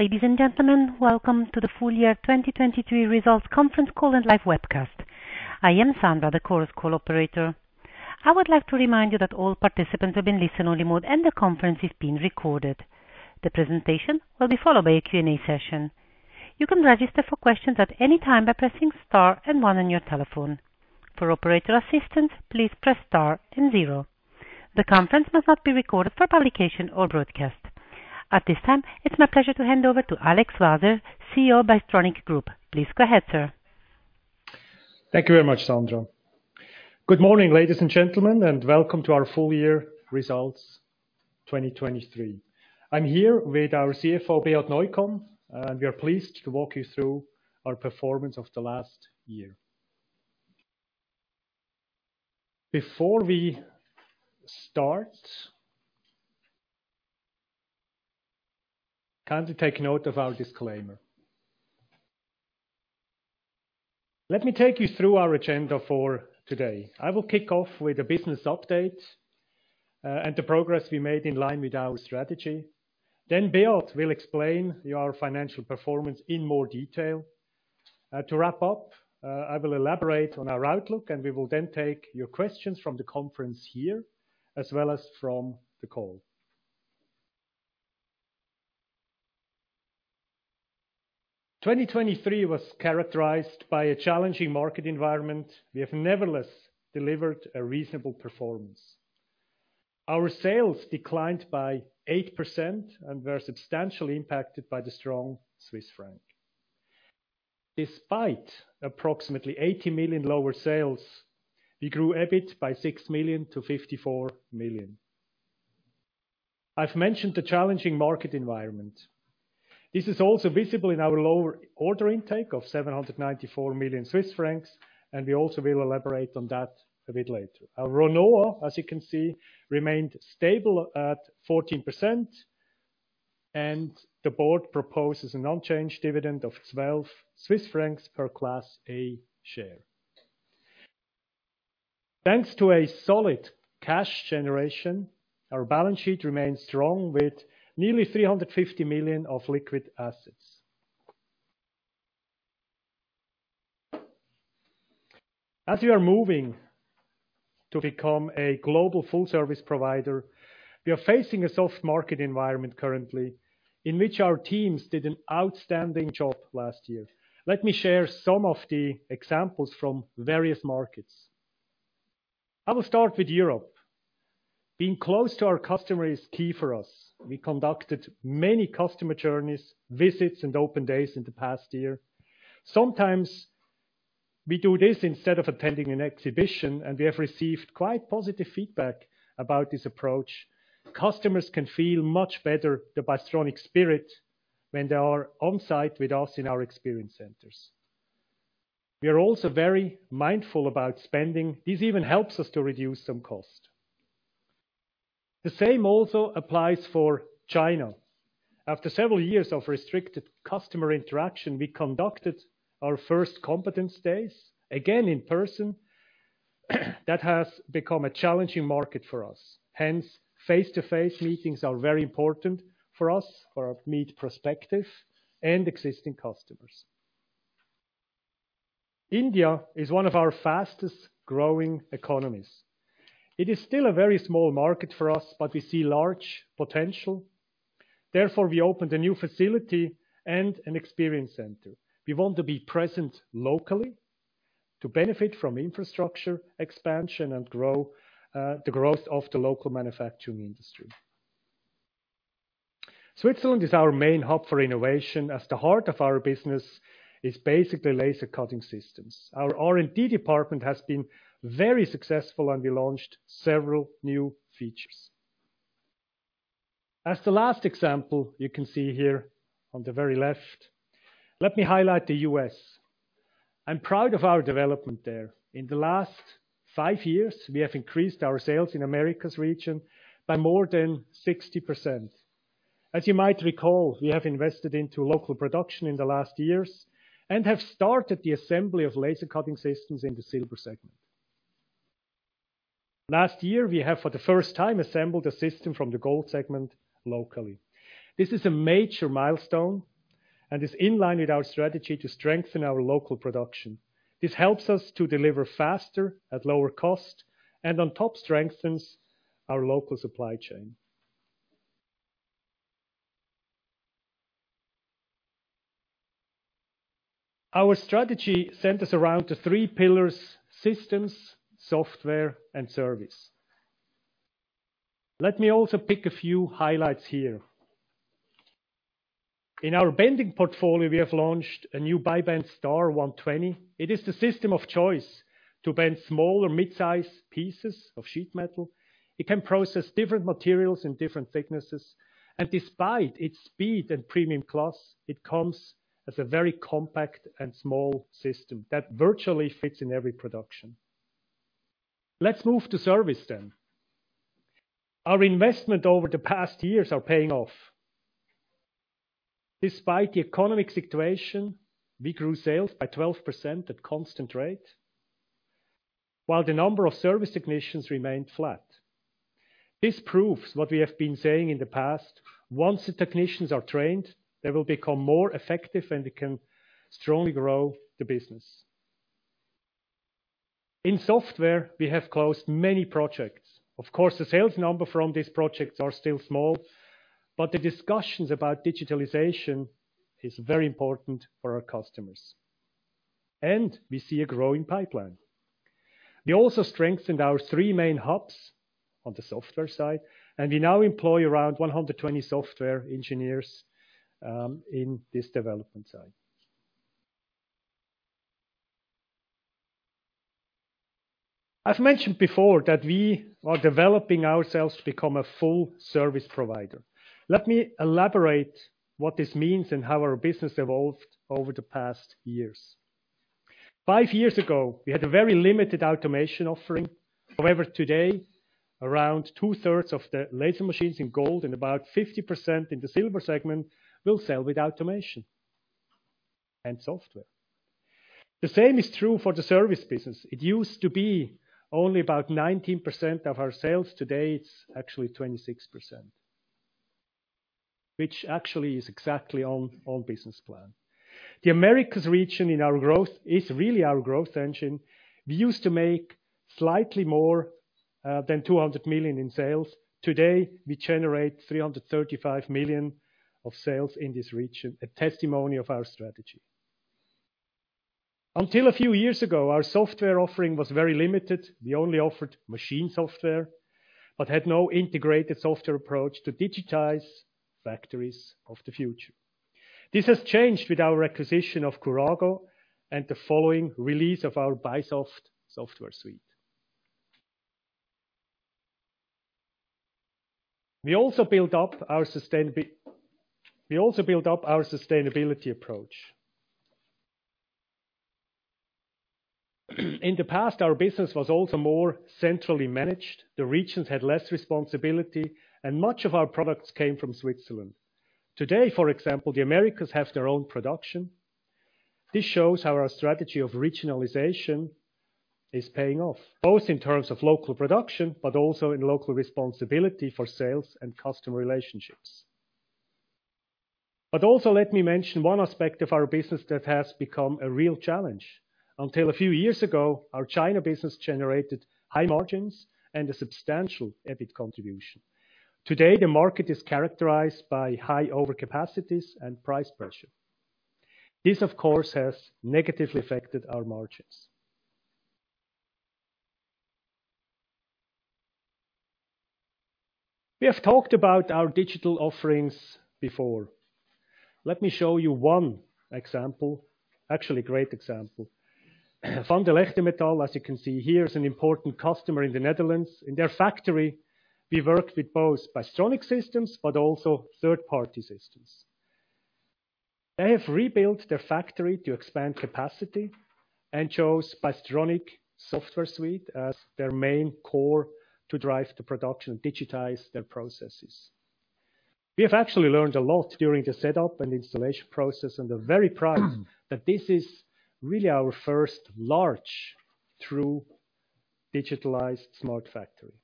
Ladies and gentlemen, welcome to the full year 2023 results conference call and live webcast. I am Sandra, the Chorus Call operator. I would like to remind you that all participants have been listen-only mode, and the conference is being recorded. The presentation will be followed by a Q&A session. You can register for questions at any time by pressing star and one on your telephone. For operator assistance, please press star and zero. The conference must not be recorded for publication or broadcast. At this time, it's my pleasure to hand over to Alex Waser, Chief Executive Officer of Bystronic Group. Please go ahead, sir. Thank you very much, Sandra. Good morning, ladies and gentlemen, and welcome to our full year results 2023. I'm here with our Chief Financial Officer Despite approximately 80 million lower sales, we grew EBIT by 6 million to 54 million. I've mentioned the challenging market environment. This is also visible in our lower order intake of 794 million Swiss francs, and we also will elaborate on that a bit later. Our RONOA, as you can see, remained stable at 14%, and the board proposes an unchanged dividend of 12 Swiss francs per Class A share. Thanks to a solid cash generation, our balance sheet remains strong, with nearly 350 million of liquid assets. As we are moving to become a global full-service provider, we are facing a soft market environment currently, in which our teams did an outstanding job last year. Let me share some of the examples from various markets. I will start with Europe. Being close to our customer is key for us. We conducted many customer journeys, visits, and open days in the past year. Sometimes we do this instead of attending an exhibition, and we have received quite positive feedback about this approach. Customers can feel much better the Bystronic spirit when they are on-site with us in our experience centers. We are also very mindful about spending. This even helps us to reduce some cost. The same also applies for China. After several years of restricted customer interaction, we conducted our first competence days, again in person. That has become a challenging market for us. Hence, face-to-face meetings are very important for us, for our meet prospective and existing customers. India is one of our fastest-growing economies. It is still a very small market for us, but we see large potential. Therefore, we opened a new facility and an experience center. We want to be present locally to benefit from infrastructure, expansion, and grow the growth of the local manufacturing industry. Switzerland is our main hub for innovation, as the heart of our business is basically laser cutting systems. Our R&D department has been very successful, and we launched several new features. As the last example, you can see here on the very left, let me highlight the U.S. I'm proud of our development there. In the last 5 years, we have increased our sales in Americas region by more than 60%. As you might recall, we have invested into local production in the last years and have started the assembly of laser cutting systems in the silver segment. Last year, we have, for the first time, assembled a system from the gold segment locally. This is a major milestone and is in line with our strategy to strengthen our local production. This helps us to deliver faster, at lower cost, and on top, strengthens our local supply chain. Our strategy centers around the three pillars: systems, software, and service. Let me also pick a few highlights here. In our bending portfolio, we have launched a new ByBend Star 120. It is the system of choice to bend smaller mid-size pieces of sheet metal. It can process different materials in different thicknesses, and despite its speed and premium class, it comes as a very compact and small system that virtually fits in every production. Let's move to service then. Our investment over the past years are paying off. Despite the economic situation, we grew sales by 12% at constant rate... while the number of service technicians remained flat. This proves what we have been saying in the past: once the technicians are trained, they will become more effective, and they can strongly grow the business. In software, we have closed many projects. Of course, the sales number from these projects are still small, but the discussions about digitalization is very important for our customers, and we see a growing pipeline. We also strengthened our three main hubs on the software side, and we now employ around 120 software engineers, in this development side. I've mentioned before that we are developing ourselves to become a full service provider. Let me elaborate what this means and how our business evolved over the past years. Five years ago, we had a very limited automation offering. However, today, around two-thirds of the laser machines in Gold and about 50% in the Silver segment will sell with automation and software. The same is true for the service business. It used to be only about 19% of our sales. Today, it's actually 26%, which actually is exactly on business plan. The Americas region in our growth is really our growth engine. We used to make slightly more than 200 million in sales. Today, we generate 335 million of sales in this region, a testimony of our strategy. Until a few years ago, our software offering was very limited. We only offered machine software, but had no integrated software approach to digitize factories of the future. This has changed with our acquisition of Kurago and the following release of our BySoft software suite. We also build up our sustainability approach. In the past, our business was also more centrally managed. The regions had less responsibility, and much of our products came from Switzerland. Today, for example, the Americas have their own production. This shows how our strategy of regionalization is paying off, both in terms of local production, but also in local responsibility for sales and customer relationships. But also, let me mention one aspect of our business that has become a real challenge. Until a few years ago, our China business generated high margins and a substantial EBIT contribution. Today, the market is characterized by high overcapacities and price pressure. This, of course, has negatively affected our margins. We have talked about our digital offerings before. Let me show you one example, actually, great example. Van der Leegte Metaal, as you can see here, is an important customer in the Netherlands. In their factory, we worked with both Bystronic systems but also third-party systems. They have rebuilt their factory to expand capacity and chose Bystronic software suite as their main core to drive the production, digitize their processes. We have actually learned a lot during the setup and installation process, and are very proud that this is really our first large, true digitalized smart factory.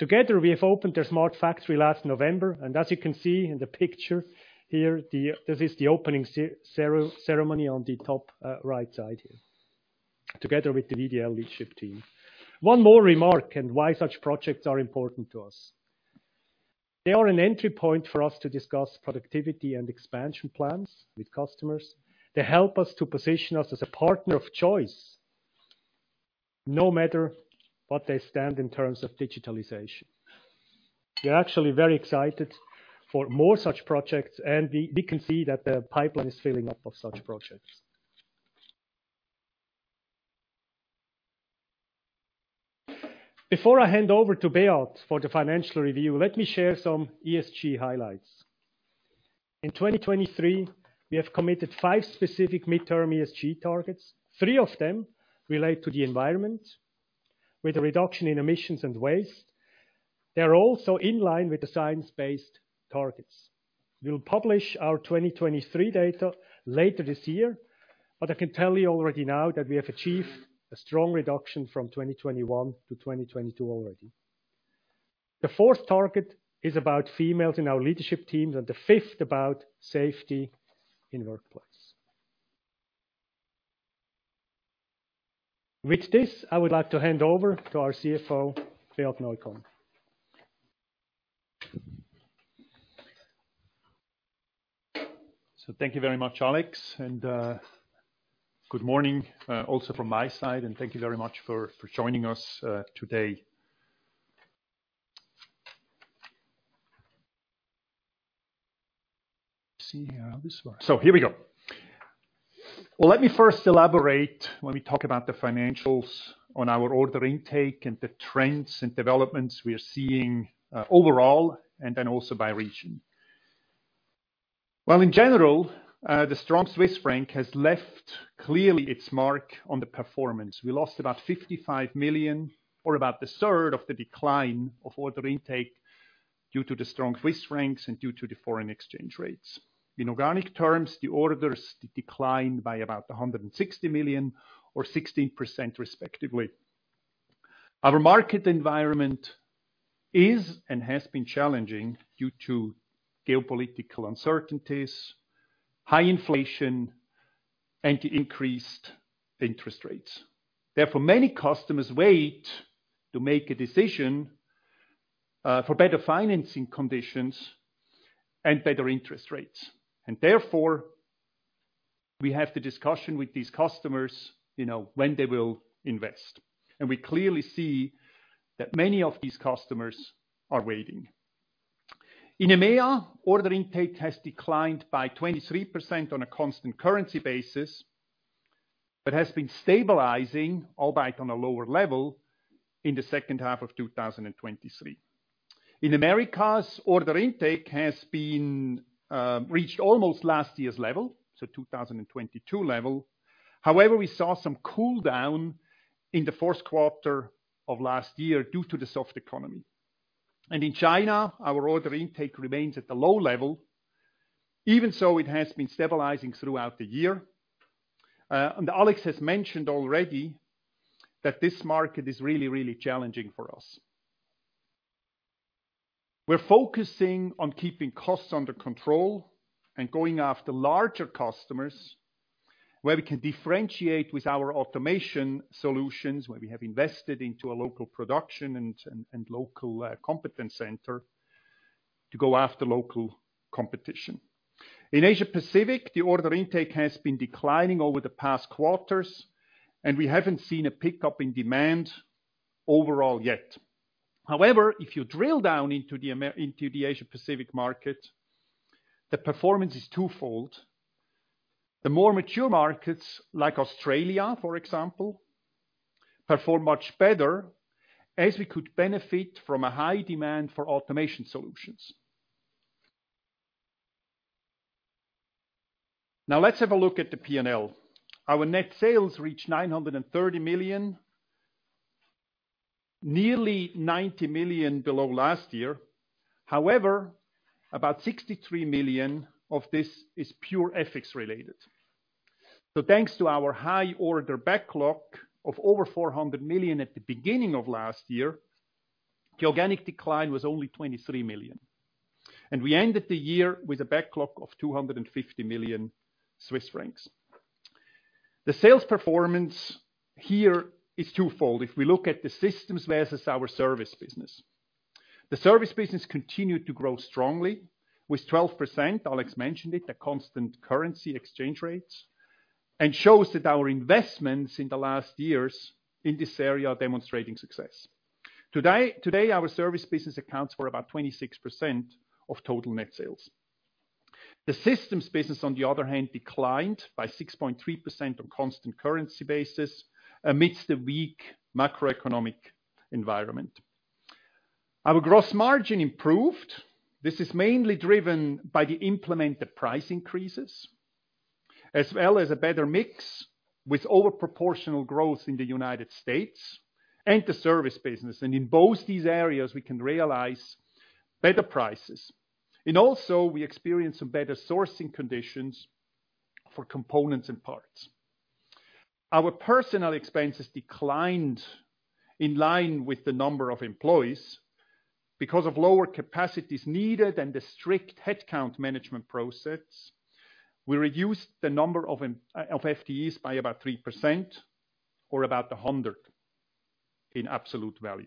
Together, we have opened their smart factory last November, and as you can see in the picture here, this is the opening ceremony on the top, right side here, together with the VDL leadership team. One more remark and why such projects are important to us. They are an entry point for us to discuss productivity and expansion plans with customers. They help us to position us as a partner of choice, no matter what they stand in terms of digitalization. We're actually very excited for more such projects, and we can see that the pipeline is filling up of such projects. Before I hand over to Beat for the financial review, let me share some ESG highlights. In 2023, we have committed five specific midterm ESG targets. Three of them relate to the environment, with a reduction in emissions and waste. They are also in line with the science-based targets. We'll publish our 2023 data later this year, but I can tell you already now that we have achieved a strong reduction from 2021 to 2022 already. The fourth target is about females in our leadership teams, and the fifth about safety in workplace. With this, I would like to hand over to our CFO, Beat Neukom. So thank you very much, Alex, and good morning also from my side, and thank you very much for joining us today. Let's see here how this works. So here we go. Well, let me first elaborate when we talk about the financials on our order intake and the trends and developments we are seeing overall, and then also by region. Well, in general, the strong Swiss franc has left clearly its mark on the performance. We lost about 55 million or about a third of the decline of order intake due to the strong Swiss francs and due to the foreign exchange rates. In organic terms, the orders declined by about 160 million or 16% respectively. Our market environment is and has been challenging due to geopolitical uncertainties, high inflation, and increased interest rates. Therefore, many customers wait to make a decision for better financing conditions and better interest rates. And therefore, we have the discussion with these customers, you know, when they will invest, and we clearly see that many of these customers are waiting. In EMEA, order intake has declined by 23% on a constant currency basis, but has been stabilizing, albeit on a lower level, in the second half of 2023. In Americas, order intake has been reached almost last year's level, so 2022 level. However, we saw some cool down in the fourth quarter of last year due to the soft economy. And in China, our order intake remains at a low level, even so it has been stabilizing throughout the year. And Alex has mentioned already that this market is really, really challenging for us. We're focusing on keeping costs under control and going after larger customers, where we can differentiate with our automation solutions, where we have invested into a local production and local competence center to go after local competition. In Asia Pacific, the order intake has been declining over the past quarters, and we haven't seen a pickup in demand overall yet. However, if you drill down into the Asia Pacific market, the performance is twofold. The more mature markets, like Australia, for example, perform much better as we could benefit from a high demand for automation solutions. Now, let's have a look at the P&L. Our net sales reached 930 million, nearly 90 million below last year. However, about 63 million of this is pure FX related. So thanks to our high order backlog of over 400 million at the beginning of last year, the organic decline was only 23 million, and we ended the year with a backlog of 250 million Swiss francs. The sales performance here is twofold. If we look at the systems versus our service business. The service business continued to grow strongly with 12%, Alex mentioned it, the constant currency exchange rates, and shows that our investments in the last years in this area are demonstrating success. Today, our service business accounts for about 26% of total net sales. The systems business, on the other hand, declined by 6.3% on constant currency basis amidst the weak macroeconomic environment. Our gross margin improved. This is mainly driven by the implemented price increases, as well as a better mix with over proportional growth in the United States and the service business. And in both these areas, we can realize better prices. And also, we experience some better sourcing conditions for components and parts. Our personnel expenses declined in line with the number of employees. Because of lower capacities needed and the strict headcount management process, we reduced the number of FTEs by about 3% or about 100 in absolute value.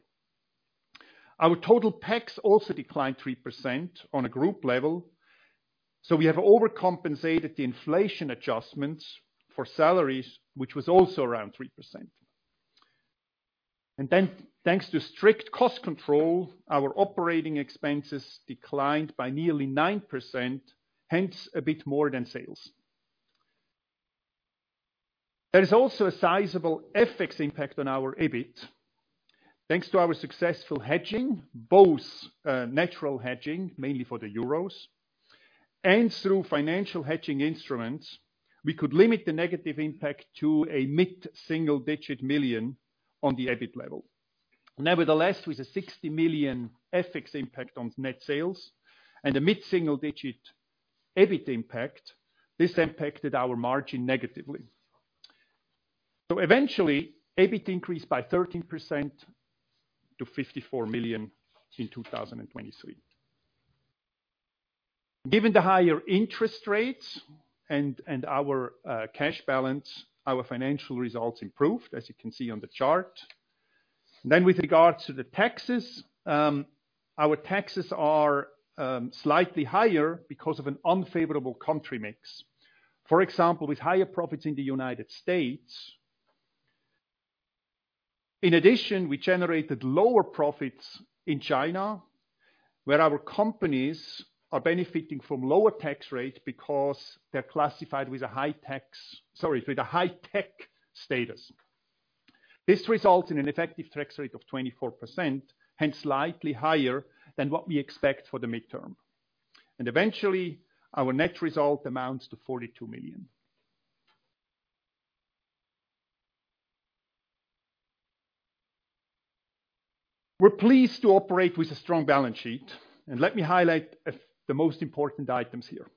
Our total personnel costs also declined 3% on a group level, so we have overcompensated the inflation adjustments for salaries, which was also around 3%. And then, thanks to strict cost control, our operating expenses declined by nearly 9%, hence a bit more than sales. There is also a sizable FX impact on our EBIT. Thanks to our successful hedging, both natural hedging, mainly for the euros, and through financial hedging instruments, we could limit the negative impact to a mid-single-digit million CHF on the EBIT level. Nevertheless, with a 60 million FX impact on net sales and a mid-single-digit million CHF EBIT impact, this impacted our margin negatively. So eventually, EBIT increased by 13% to 54 million in 2023. Given the higher interest rates and our cash balance, our financial results improved, as you can see on the chart. Then, with regards to the taxes, our taxes are slightly higher because of an unfavorable country mix. For example, with higher profits in the United States. In addition, we generated lower profits in China, where our companies are benefiting from lower tax rates because they're classified with a high tax—sorry, with a high-tech status. This results in an effective tax rate of 24%, hence slightly higher than what we expect for the midterm. Eventually, our net result amounts to 42 million... We're pleased to operate with a strong balance sheet, and let me highlight the most important items here.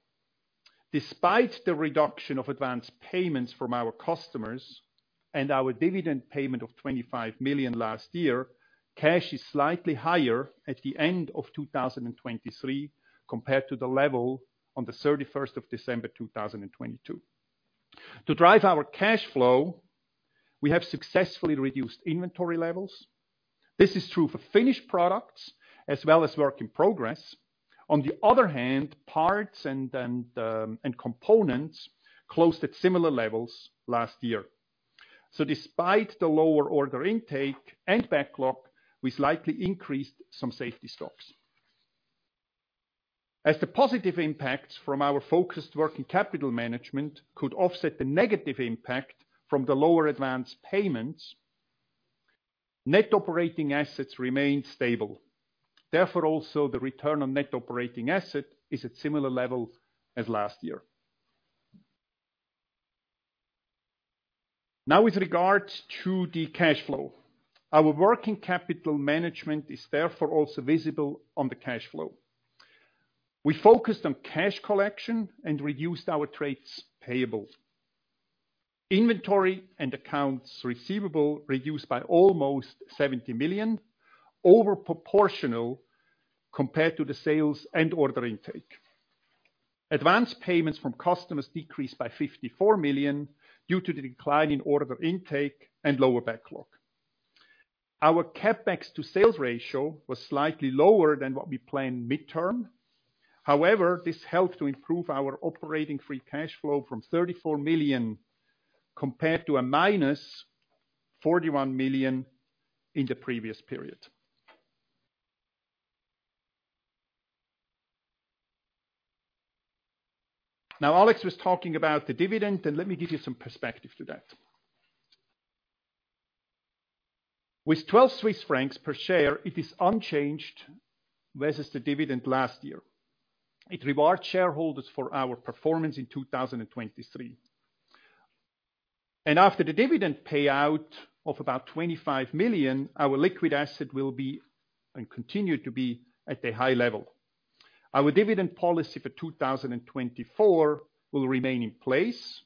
Despite the reduction of advanced payments from our customers and our dividend payment of 25 million last year, cash is slightly higher at the end of 2023, compared to the level on the 31st of December 2022. To drive our cash flow, we have successfully reduced inventory levels. This is true for finished products as well as work in progress. On the other hand, parts and components closed at similar levels last year. So despite the lower order intake and backlog, we slightly increased some safety stocks. As the positive impacts from our focused working capital management could offset the negative impact from the lower advanced payments, net operating assets remained stable. Therefore, also the return on net operating asset is at similar level as last year. Now, with regards to the cash flow, our working capital management is therefore also visible on the cash flow. We focused on cash collection and reduced our trades payables. Inventory and accounts receivable reduced by almost 70 million, over proportional compared to the sales and order intake. Advanced payments from customers decreased by 54 million due to the decline in order intake and lower backlog. Our CapEx to sales ratio was slightly lower than what we planned midterm. However, this helped to improve our operating free cash flow from 34 million compared to -41 million in the previous period. Now, Alex was talking about the dividend, and let me give you some perspective to that. With 12 Swiss francs per share, it is unchanged versus the dividend last year. It rewards shareholders for our performance in 2023. After the dividend payout of about 25 million, our liquid asset will be, and continue to be, at a high level. Our dividend policy for 2024 will remain in place,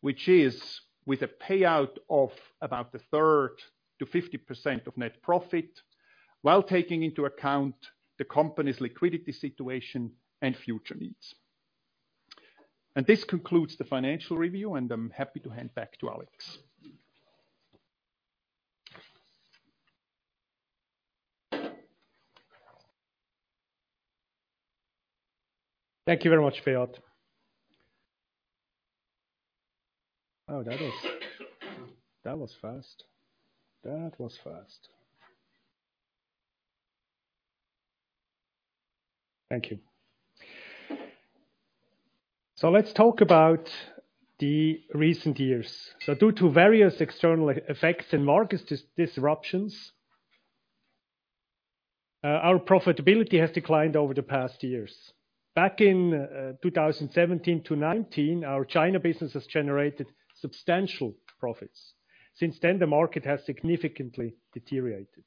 which is with a payout of about a third to 50% of net profit, while taking into account the company's liquidity situation and future needs. This concludes the financial review, and I'm happy to hand back to Alex. Thank you very much, Beat. Oh, that was, that was fast. That was fast. Thank you. So let's talk about the recent years. So due to various external effects and market disruptions, our profitability has declined over the past years. Back in 2017 to 2019, our China business has generated substantial profits. Since then, the market has significantly deteriorated.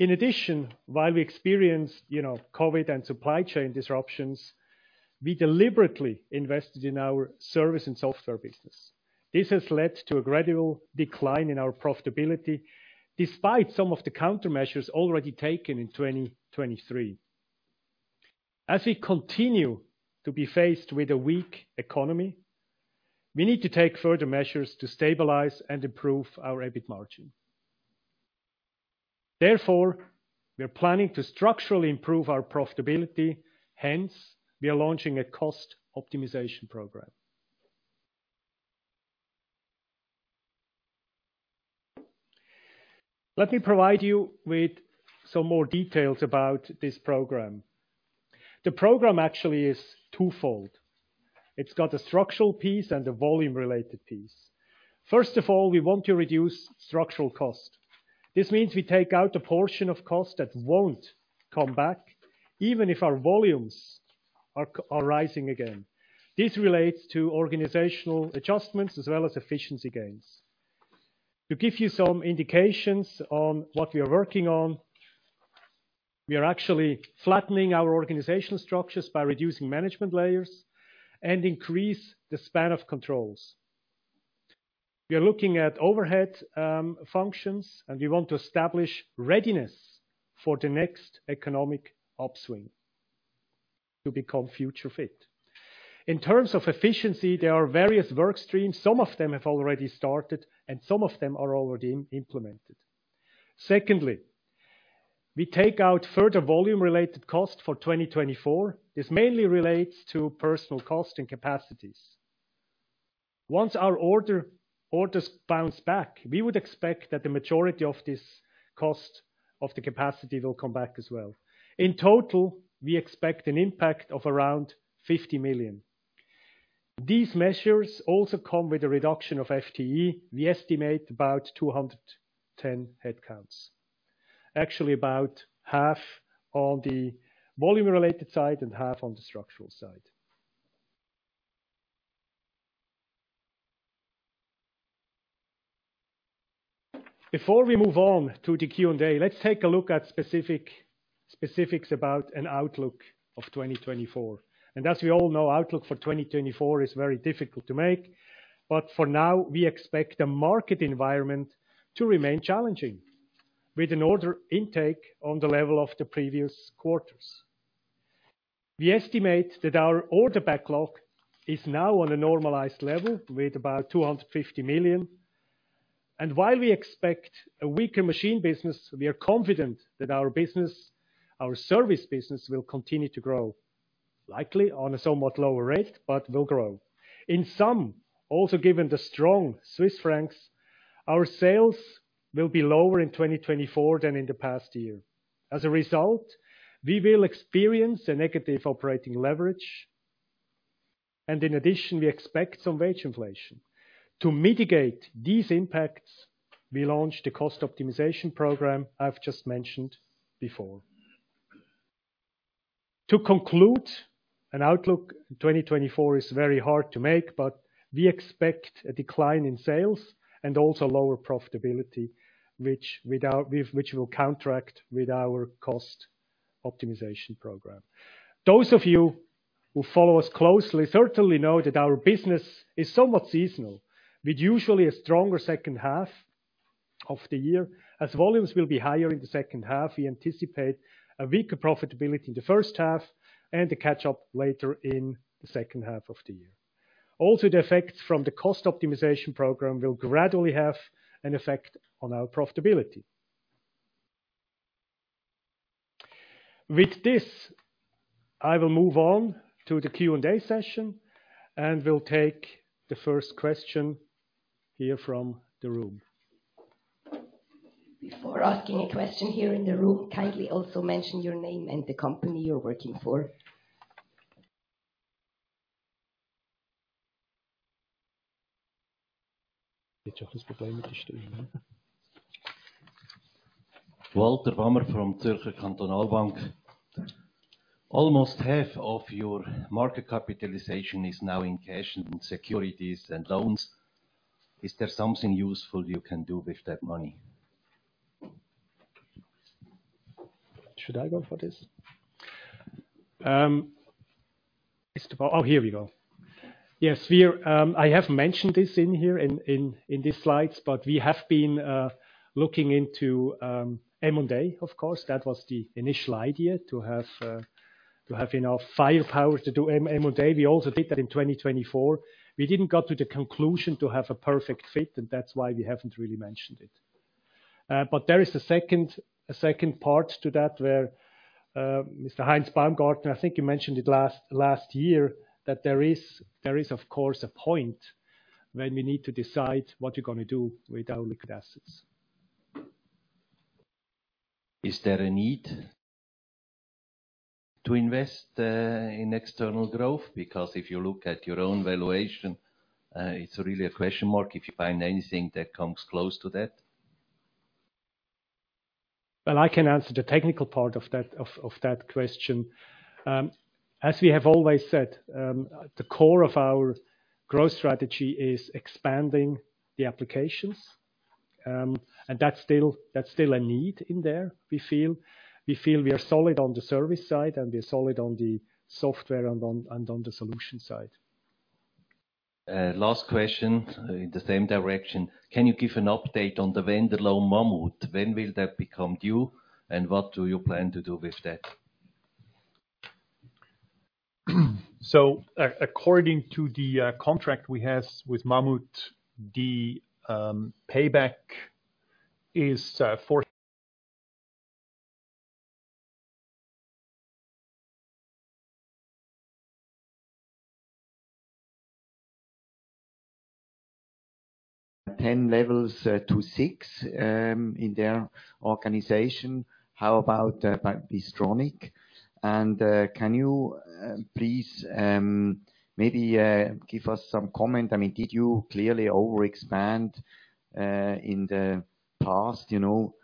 In addition, while we experienced, you know, COVID and supply chain disruptions, we deliberately invested in our service and software business. This has led to a gradual decline in our profitability, despite some of the countermeasures already taken in 2023. As we continue to be faced with a weak economy, we need to take further measures to stabilize and improve our EBIT margin. Therefore, we are planning to structurally improve our profitability, hence, we are launching a cost optimization program. Let me provide you with some more details about this program. The program actually is twofold. It's got a structural piece and a volume-related piece. First of all, we want to reduce structural cost. This means we take out a portion of cost that won't come back, even if our volumes are rising again. This relates to organizational adjustments as well as efficiency gains. To give you some indications on what we are working on, we are actually flattening our organizational structures by reducing management layers and increase the span of controls. We are looking at overhead functions, and we want to establish readiness for the next economic upswing to become future fit. In terms of efficiency, there are various work streams. Some of them have already started, and some of them are already implemented. Secondly, we take out further volume-related costs for 2024. This mainly relates to personnel cost and capacities. Once our orders bounce back, we would expect that the majority of this cost of the capacity will come back as well. In total, we expect an impact of around 50 million. These measures also come with a reduction of FTE. We estimate about 210 headcounts. Actually, about half on the volume-related side and half on the structural side. Before we move on to the Q&A, let's take a look at specifics about an outlook of 2024. As we all know, outlook for 2024 is very difficult to make, but for now, we expect the market environment to remain challenging, with an order intake on the level of the previous quarters. We estimate that our order backlog is now on a normalized level with about 250 million. While we expect a weaker machine business, we are confident that our business, our service business, will continue to grow, likely on a somewhat lower rate, but will grow. In sum, also given the strong Swiss francs, our sales will be lower in 2024 than in the past year. As a result, we will experience a negative operating leverage, and in addition, we expect some wage inflation. To mitigate these impacts, we launched a cost optimization program I've just mentioned before. To conclude, an outlook, 2024 is very hard to make, but we expect a decline in sales and also lower profitability, which we'll counteract with our cost optimization program. Those of you who follow us closely certainly know that our business is somewhat seasonal, with usually a stronger second half of the year. As volumes will be higher in the second half, we anticipate a weaker profitability in the first half and a catch-up later in the second half of the year. Also, the effects from the cost optimization program will gradually have an effect on our profitability. With this, I will move on to the Q&A session, and we'll take the first question here from the room. Before asking a question here in the room, kindly also mention your name and the company you're working for. Walter Bammer from Zürcher Kantonalbank. Almost half of your market capitalization is now in cash and securities and loans. Is there something useful you can do with that money? Yes, we are. I have mentioned this in here in these slides, but we have been looking into M&A, of course. That was the initial idea, to have enough firepower to do M&A. We also did that in 2024. We didn't got to the conclusion to have a perfect fit, and that's why we haven't really mentioned it. But there is a second part to that, where Mr. Heinz Baumgartner, I think you mentioned it last year, that there is, of course, a point when we need to decide what we're gonna do with our liquid assets. Is there a need to invest in external growth? Because if you look at your own valuation, it's really a question mark if you find anything that comes close to that. Well, I can answer the technical part of that, of that question. As we have always said, the core of our growth strategy is expanding the applications. And that's still a need in there, we feel. We feel we are solid on the service side, and we are solid on the software and on the solution side. Last question, in the same direction: Can you give an update on the vendor loan, Mammut? When will that become due, and what do you plan to do with that? So according to the contract we have with Mammut, the payback is four. 10 levels to 6 in their organization. How about Bystronic? And can you please maybe give us some comment? I mean, did you clearly overexpand in the past, you know,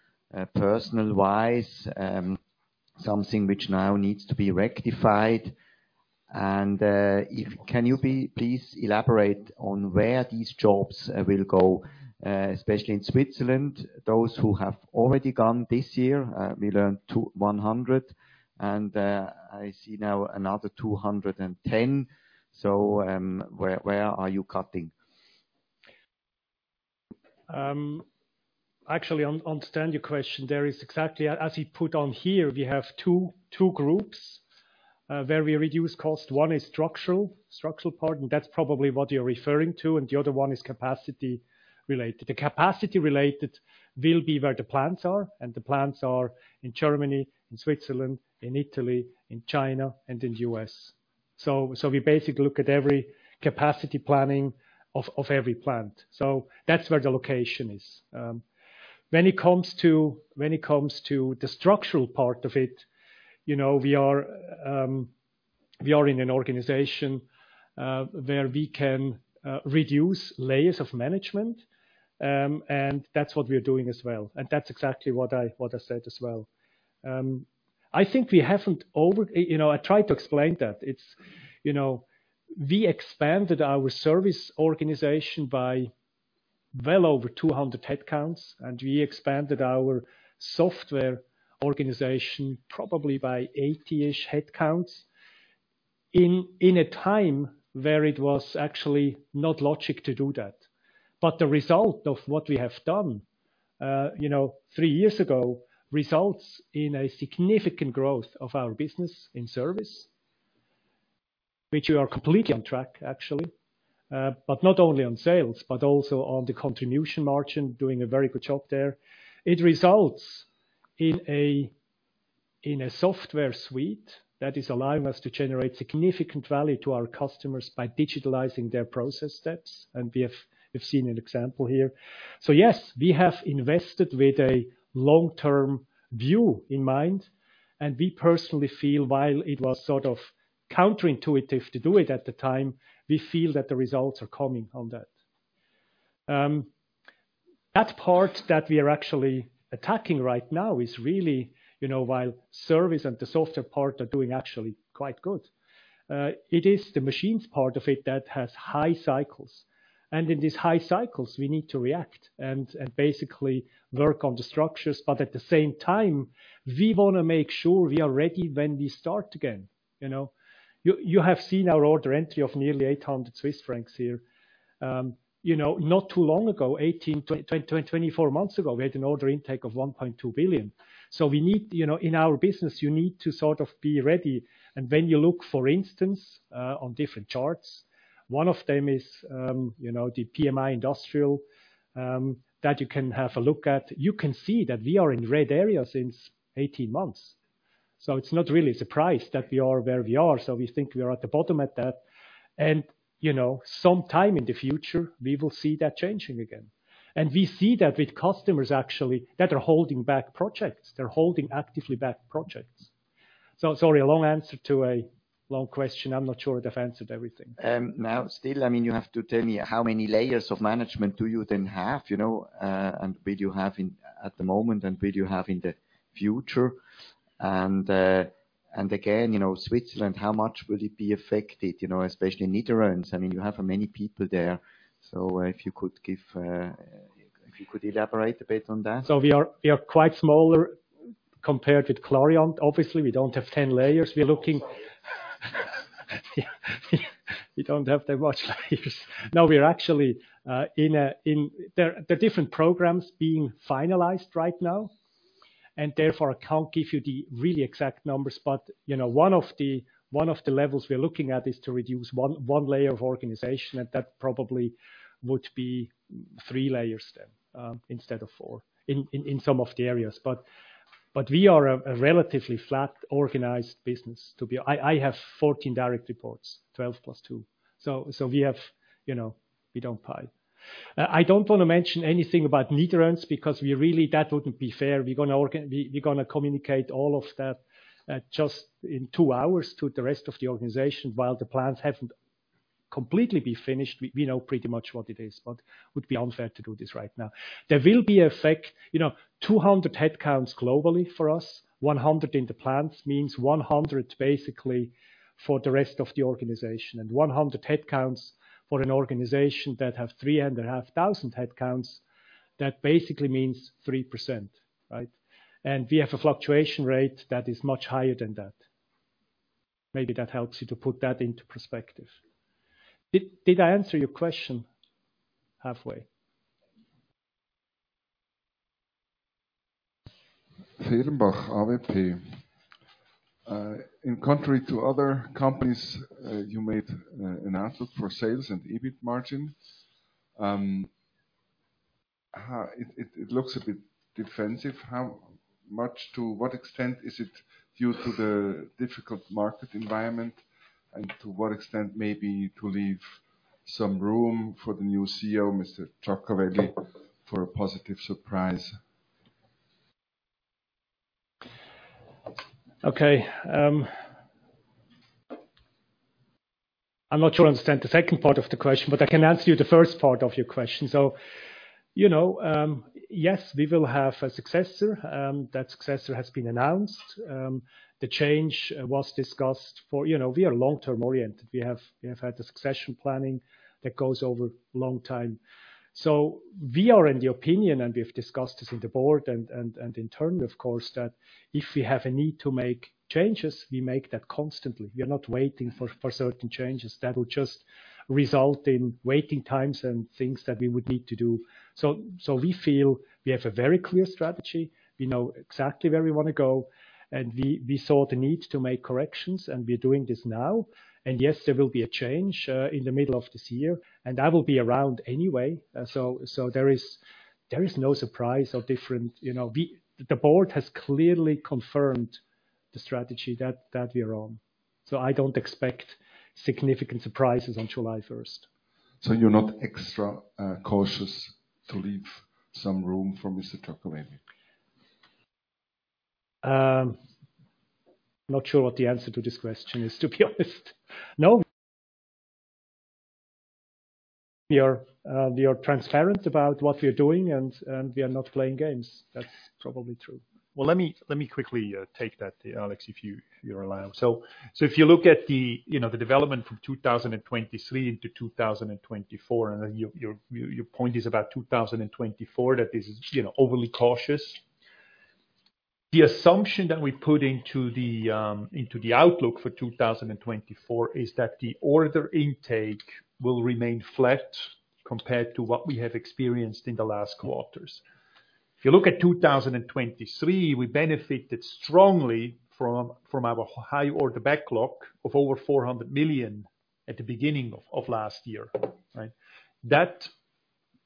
personnel-wise, something which now needs to be rectified? And can you please elaborate on where these jobs will go, especially in Switzerland, those who have already gone this year, we learned 200, and I see now another 210. So where, where are you cutting? Actually, I understand your question, there is exactly as we put on here, we have two groups where we reduce cost. One is structural part, and that's probably what you're referring to, and the other one is capacity related. The capacity related will be where the plants are, and the plants are in Germany, in Switzerland, in Italy, in China, and in the U.S. So we basically look at every capacity planning of every plant. So that's where the location is. When it comes to the structural part of it, you know, we are in an organization where we can reduce layers of management, and that's what we're doing as well. And that's exactly what I said as well. I think we haven't over... You know, I tried to explain that. It's, you know, we expanded our service organization by well over 200 headcounts, and we expanded our software organization probably by 80-ish headcounts in a time where it was actually not logic to do that. But the result of what we have done, you know, 3 years ago, results in a significant growth of our business in service, which we are completely on track, actually. But not only on sales, but also on the contribution margin, doing a very good job there. It results in a software suite that is allowing us to generate significant value to our customers by digitalizing their process steps, and we have, we've seen an example here. So yes, we have invested with a long-term view in mind, and we personally feel while it was sort of counterintuitive to do it at the time, we feel that the results are coming on that. That part that we are actually attacking right now is really, you know, while service and the software part are doing actually quite good, it is the machines part of it that has high cycles. And in these high cycles, we need to react and basically work on the structures. But at the same time, we wanna make sure we are ready when we start again, you know? You have seen our order entry of nearly 800 Swiss francs here. You know, not too long ago, 18-24 months ago, we had an order intake of 1.2 billion. So we need. You know, in our business, you need to sort of be ready. And when you look, for instance, on different charts, one of them is, you know, the PMI Industrial, that you can have a look at. You can see that we are in red area since 18 months. So it's not really a surprise that we are where we are, so we think we are at the bottom at that. And, you know, sometime in the future, we will see that changing again. And we see that with customers, actually, that are holding back projects. They're holding actively back projects. So sorry, a long answer to a long question. I'm not sure I'd have answered everything. Now, still, I mean, you have to tell me, how many layers of management do you then have, you know, and will you have in, at the moment, and will you have in the future? And, and again, you know, Switzerland, how much will it be affected, you know, especially in Niederönz? I mean, you have many people there, so, if you could give, if you could elaborate a bit on that. So we are quite smaller compared with Clariant. Obviously, we don't have 10 layers. We don't have that much layers. No, we are actually. There are different programs being finalized right now, and therefore, I can't give you the really exact numbers, but, you know, one of the levels we are looking at is to reduce one layer of organization, and that probably would be three layers then, instead of four, in some of the areas. But we are a relatively flat, organized business to be. I have 14 direct reports, 12 + 2. So we have, you know, we don't pile. I don't wanna mention anything about Niederönz, because we really, that wouldn't be fair. We're gonna organize, we're gonna communicate all of that just in two hours to the rest of the organization, while the plans haven't completely be finished. We know pretty much what it is, but would be unfair to do this right now. There will be effect, you know, 200 headcounts globally for us. 100 in the plants means 100 basically for the rest of the organization. And 100 headcounts for an organization that have 3,500 headcounts, that basically means 3%, right? And we have a fluctuation rate that is much higher than that. Maybe that helps you to put that into perspective. Did I answer your question halfway? Fehrenbach, AWP. In contrary to other companies, you made an answer for sales and EBIT margin. It looks a bit defensive. How much, to what extent is it due to the difficult market environment, and to what extent maybe to leave some room for the new Chief Executive Officer, Mr. Iacovelli, for a positive surprise? Okay, I'm not sure I understand the second part of the question, but I can answer you the first part of your question. So, you know, yes, we will have a successor. That successor has been announced. The change was discussed for. You know, we are long-term oriented. We have, we have had a succession planning that goes over long time. So we are in the opinion, and we have discussed this in the board and in turn, of course, that if we have a need to make changes, we make that constantly. We are not waiting for certain changes that would just result in waiting times and things that we would need to do. So we feel we have a very clear strategy, we know exactly where we wanna go, and we saw the need to make corrections, and we're doing this now. And yes, there will be a change in the middle of this year, and I will be around anyway. So there is no surprise or different, you know, The board has clearly confirmed the strategy that we are on, so I don't expect significant surprises on July 1st. So you're not extra cautious to leave some room for Mr. Iacovelli? Not sure what the answer to this question is, to be honest. No. We are, we are transparent about what we are doing, and, and we are not playing games. That's probably true. Well, let me, let me quickly take that, Alex, if you, if you allow. So, so if you look at the, you know, the development from 2023 into 2024, and then your, your, your point is about 2024, that is, you know, overly cautious. The assumption that we put into the outlook for 2024 is that the order intake will remain flat compared to what we have experienced in the last quarters. If you look at 2023, we benefited strongly from our high order backlog of over 400 million at the beginning of last year, right?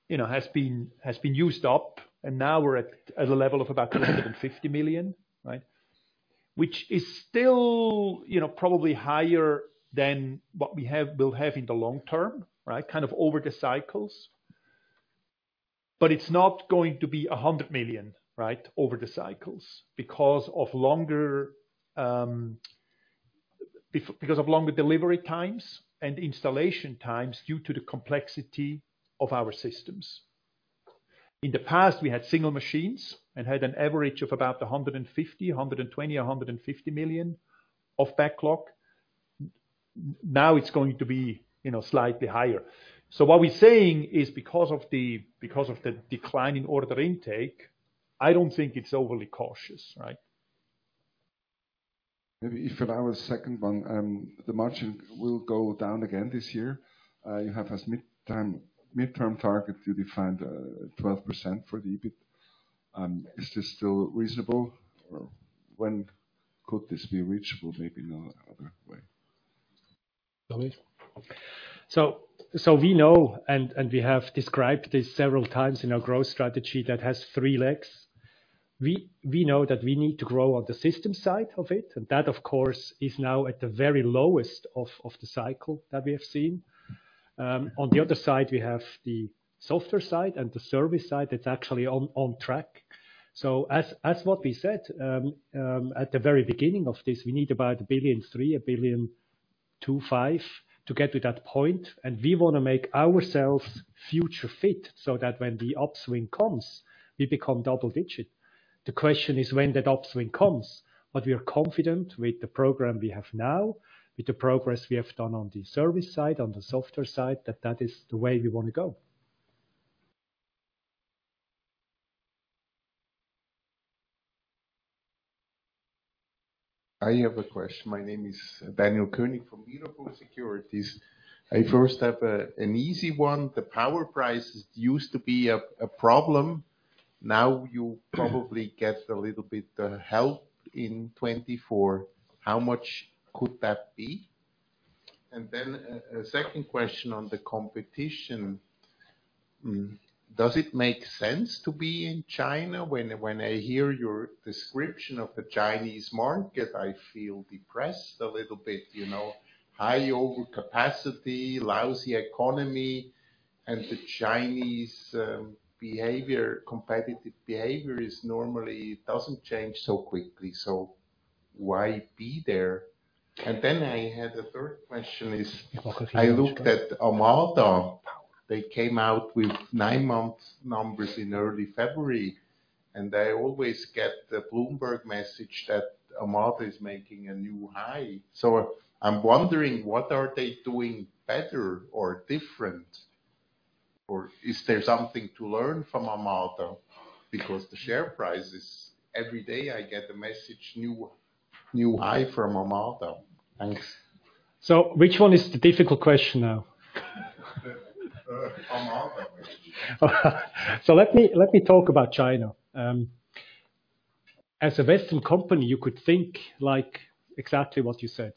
That, you know, has been used up, and now we're at a level of about 250 million, right? Which is still, you know, probably higher than what we will have in the long term, right? Kind of over the cycles. But it's not going to be 100 million, right, over the cycles because of longer delivery times and installation times due to the complexity of our systems. In the past, we had single machines and had an average of about 150, 120, 150 million of backlog. Now it's going to be, you know, slightly higher. So what we're saying is because of the, because of the declining order intake, I don't think it's overly cautious, right? Maybe if I was second one, the margin will go down again this year. You have as mid-term target, you defined, 12% for the EBIT. Is this still reasonable, or when could this be reachable? Maybe in another way. So we know, and we have described this several times in our growth strategy that has three legs. We know that we need to grow on the system side of it, and that, of course, is now at the very lowest of the cycle that we have seen. On the other side, we have the software side and the service side, that's actually on track. So as what we said at the very beginning of this, we need about 1.3 billion, 1.25 billion to get to that point, and we wanna make ourselves future fit so that when the upswing comes, we become double digit. The question is when that upswing comes. But we are confident with the program we have now, with the progress we have done on the service side, on the software side, that that is the way we wanna go. I have a question. My name is Daniel König from Mirabaud Securities. I first have an easy one. The power prices used to be a problem, now you probably get a little bit help in 2024. How much could that be? And then a second question on the competition. Does it make sense to be in China? When I hear your description of the Chinese market, I feel depressed a little bit, you know, high overcapacity, lousy economy, and the Chinese behavior, competitive behavior is normally doesn't change so quickly. So why be there? And then I had a third question is, I looked at Amada. They came out with nine-month numbers in early February, and I always get the Bloomberg message that Amada is making a new high. I'm wondering, what are they doing better or different, or is there something to learn from Amada? Because the share prices, every day I get a message, new, new high from Amada. Thanks. So which one is the difficult question now? Uh, Amada. So let me, let me talk about China. As a Western company, you could think, like, exactly what you said.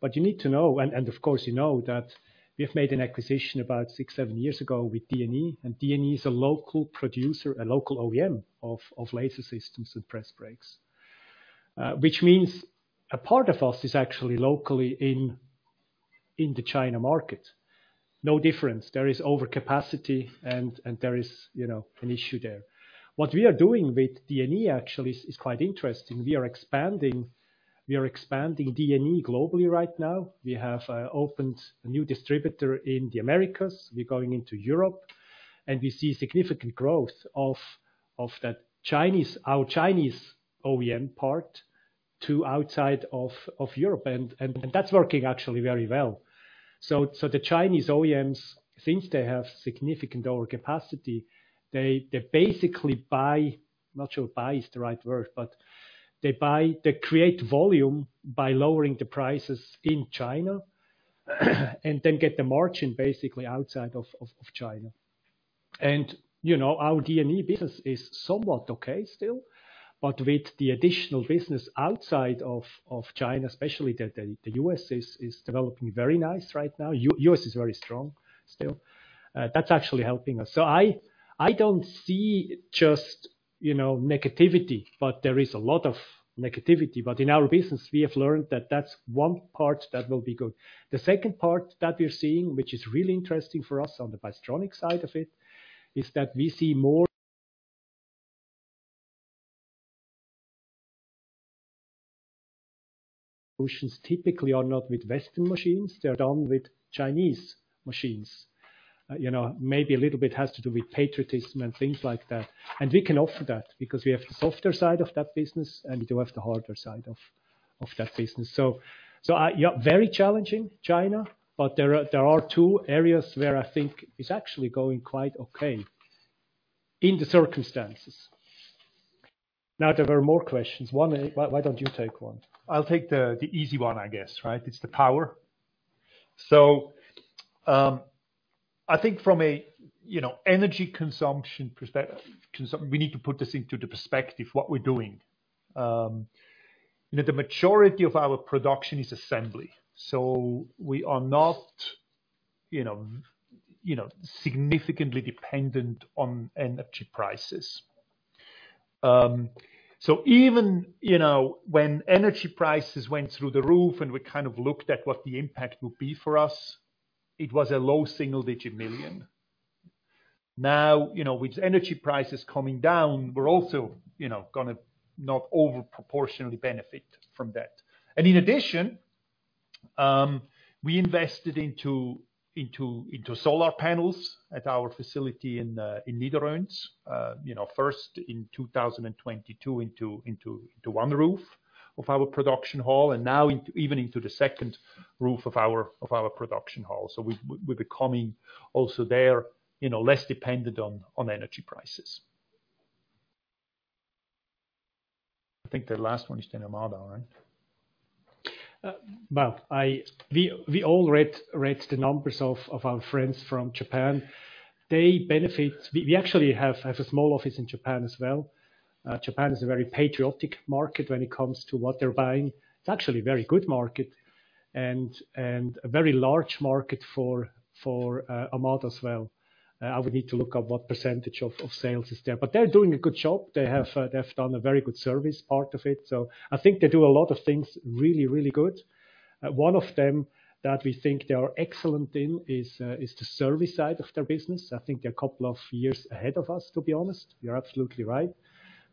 But you need to know, and, and of course, you know that we have made an acquisition about 6-7 years ago with DNE, and DNE is a local producer, a local OEM of, of laser systems and press brakes. Which means a part of us is actually locally in, in the China market. No difference. There is overcapacity and, and there is, you know, an issue there. What we are doing with DNE actually is, is quite interesting. We are expanding, we are expanding DNE globally right now. We have opened a new distributor in the Americas. We're going into Europe, and we see significant growth of that Chinese—our Chinese OEM part to outside of Europe, and that's working actually very well. So the Chinese OEMs, since they have significant overcapacity, they basically buy, not sure buy is the right word, but they buy... They create volume by lowering the prices in China, and then get the margin basically outside of China. And, you know, our DNE business is somewhat okay still, but with the additional business outside of China, especially the U.S. is developing very nice right now. That's actually helping us. So I don't see just, you know, negativity, but there is a lot of negativity. But in our business, we have learned that that's one part that will be good. The second part that we're seeing, which is really interesting for us on the Bystronic side of it, is that we see more solutions typically are not with Western machines, they're done with Chinese machines. You know, maybe a little bit has to do with patriotism and things like that. And we can offer that because we have the software side of that business, and we do have the hardware side of that business. So, yeah, very challenging, China, but there are two areas where I think it's actually going quite okay in the circumstances. Now, there were more questions. One, why, why don't you take one? I'll take the easy one, I guess, right? It's the power. So, I think from an energy consumption perspective, what we're doing. You know, the majority of our production is assembly, so we are not, you know, significantly dependent on energy prices. So even, you know, when energy prices went through the roof and we kind of looked at what the impact would be for us, it was a low single-digit million. Now, you know, with energy prices coming down, we're also, you know, gonna not over proportionally benefit from that. And in addition, we invested into solar panels at our facility in Niederönz. You know, first in 2022, into one roof of our production hall, and now into even the second roof of our production hall. So we're becoming also there, you know, less dependent on energy prices. I think the last one is Amada, right? Well, we all read the numbers of our friends from Japan. We actually have a small office in Japan as well. Japan is a very patriotic market when it comes to what they're buying. It's actually a very good market and a very large market for Amada as well. I would need to look up what percentage of sales is there, but they're doing a good job. They have done a very good service part of it. So I think they do a lot of things really, really good. One of them that we think they are excellent in is the service side of their business. I think they're a couple of years ahead of us, to be honest. You're absolutely right.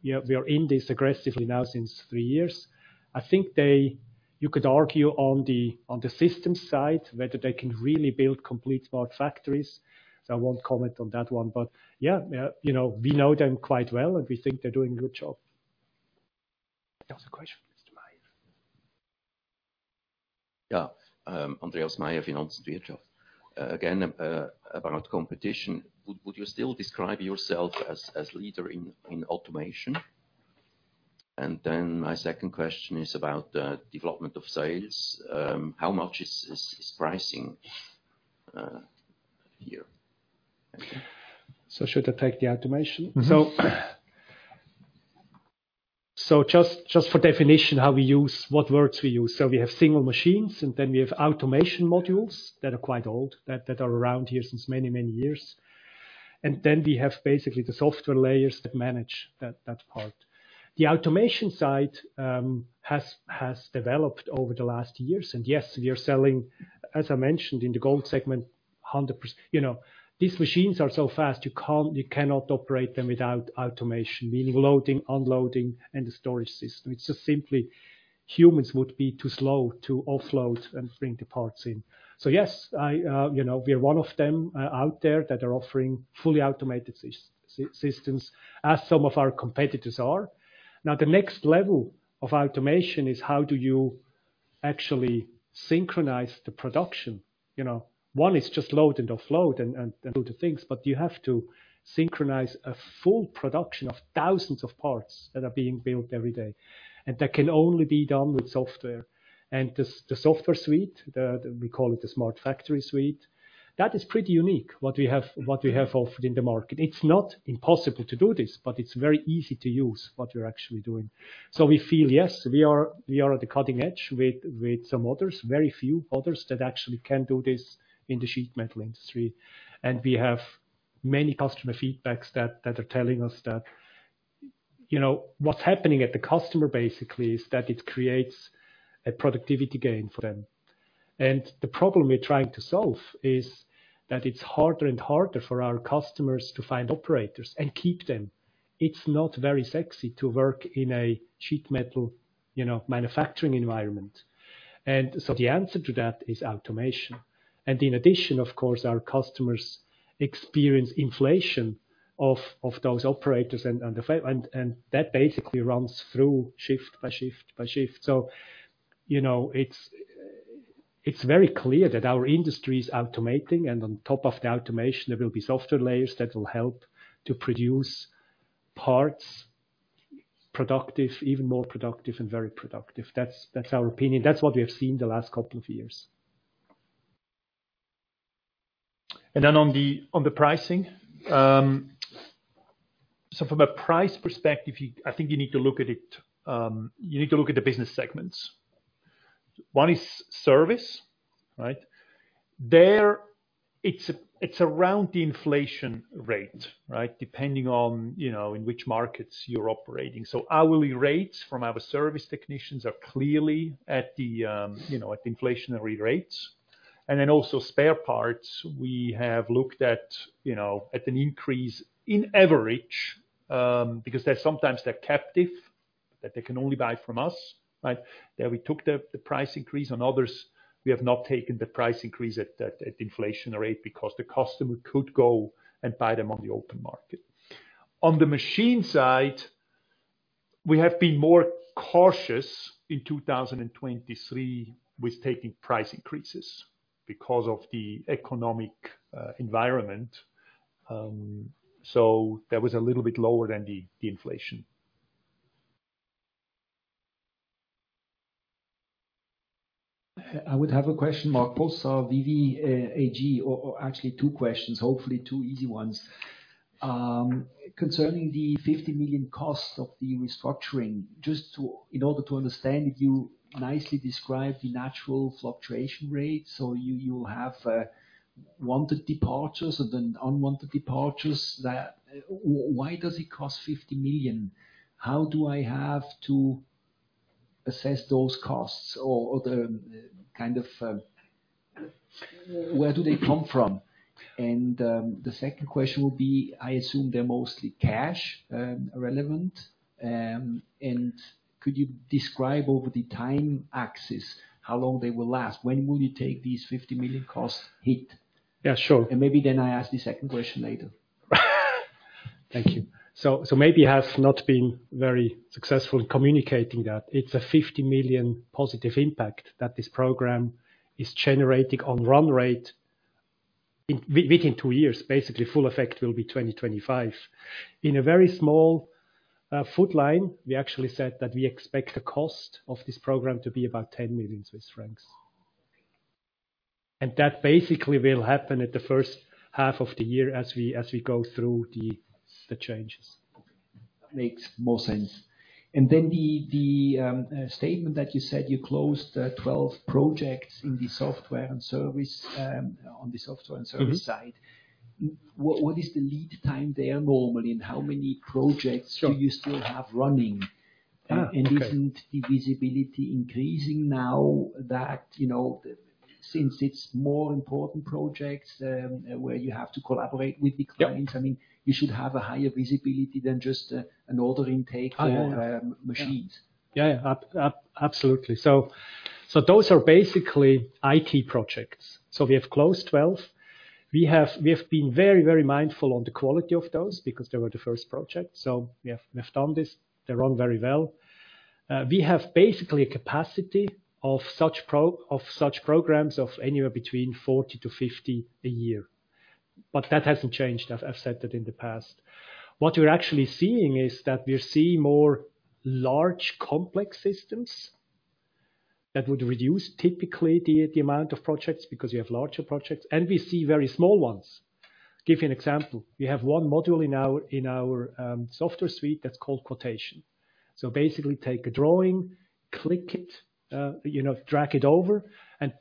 Yeah, we are in this aggressively now since 3 years. I think you could argue on the systems side whether they can really build complete smart factories, so I won't comment on that one. But yeah, you know, we know them quite well, and we think they're doing a good job. There was a question, Mr. Meyer. Yeah, Andreas Meyer, Finanz-Zeitung. Again, about competition, would you still describe yourself as leader in automation? And then my second question is about the development of sales. How much is pricing here? Should I take the automation? Mm-hmm. So just for definition, how we use what words we use. So we have single machines, and then we have automation modules that are quite old, that are around here since many years. And then we have basically the software layers that manage that part. The automation side has developed over the last years, and yes, we are selling, as I mentioned, in the Gold segment, 100%. You know, these machines are so fast, you can't you cannot operate them without automation, meaning loading, unloading, and the storage system. It's just simply humans would be too slow to offload and bring the parts in. So yes, I you know, we are one of them out there that are offering fully automated systems, as some of our competitors are. Now, the next level of automation is how do you actually synchronize the production? You know, one is just load and offload and do the things, but you have to synchronize a full production of thousands of parts that are being built every day, and that can only be done with software. And the software suite, we call it the Smart Factory Suite, that is pretty unique, what we have, what we have offered in the market. It's not impossible to do this, but it's very easy to use, what we're actually doing. So we feel, yes, we are at the cutting edge with some others, very few others, that actually can do this in the sheet metal industry. We have many customer feedbacks that are telling us that, you know, what's happening at the customer basically, is that it creates a productivity gain for them. The problem we're trying to solve is that it's harder and harder for our customers to find operators and keep them. It's not very sexy to work in a sheet metal, you know, manufacturing environment. And so the answer to that is automation. And in addition, of course, our customers experience inflation of those operators and that basically runs through shift by shift by shift. So, you know, it's very clear that our industry is automating, and on top of the automation, there will be software layers that will help to produce parts, productive, even more productive and very productive. That's our opinion. That's what we have seen the last couple of years. And then on the pricing, so from a price perspective, you, I think you need to look at it, you need to look at the business segments. One is service, right? There, it's around the inflation rate, right? Depending on, you know, in which markets you're operating. So hourly rates from our service technicians are clearly at the, you know, at the inflationary rates. And then also spare parts, we have looked at, you know, at an increase in average, because they're sometimes captive, that they can only buy from us, right? There, we took the price increase. On others, we have not taken the price increase at inflation rate, because the customer could go and buy them on the open market. On the machine side, we have been more cautious in 2023 with taking price increases because of the economic environment. So that was a little bit lower than the inflation. I would have a question, Marc Possa, VV AG, or actually two questions, hopefully two easy ones. Concerning the 50 million cost of the restructuring, in order to understand, you nicely described the natural fluctuation rate. So you have wanted departures and then unwanted departures. Why does it cost 50 million? How do I have to assess those costs or where do they come from? The second question would be, I assume they're mostly cash relevant. Could you describe over the time axis, how long they will last? When will you take these 50 million costs hit? Yeah, sure. Maybe then I ask the second question later. Thank you. So maybe I have not been very successful in communicating that. It's a 50 million positive impact that this program is generating on run rate within two years. Basically, full effect will be 2025. In a very small footnote, we actually said that we expect the cost of this program to be about 10 million Swiss francs. That basically will happen at the first half of the year as we go through the changes. Makes more sense. And then the statement that you said you closed 12 projects in the software and service on the software and service- Mm-hmm... side. What is the lead time there normally, and how many projects? Sure Do you still have running? Ah, okay. Isn't the visibility increasing now that, you know, since it's more important projects, where you have to collaborate with the clients? Yeah. I mean, you should have a higher visibility than just an order intake. I order machines. Yeah, yeah. Absolutely. So, so those are basically IT projects. So we have closed 12. We have, we have been very, very mindful on the quality of those, because they were the first project. So we have, we have done this. They run very well. We have basically a capacity of such programs of anywhere between 40-50 a year. But that hasn't changed, I've, I've said that in the past. What we're actually seeing is that we're seeing more large complex systems that would reduce, typically, the, the amount of projects, because you have larger projects, and we see very small ones. Give you an example, we have one module in our, in our, software suite that's called Quotation. So basically take a drawing, click it, you know, drag it over, and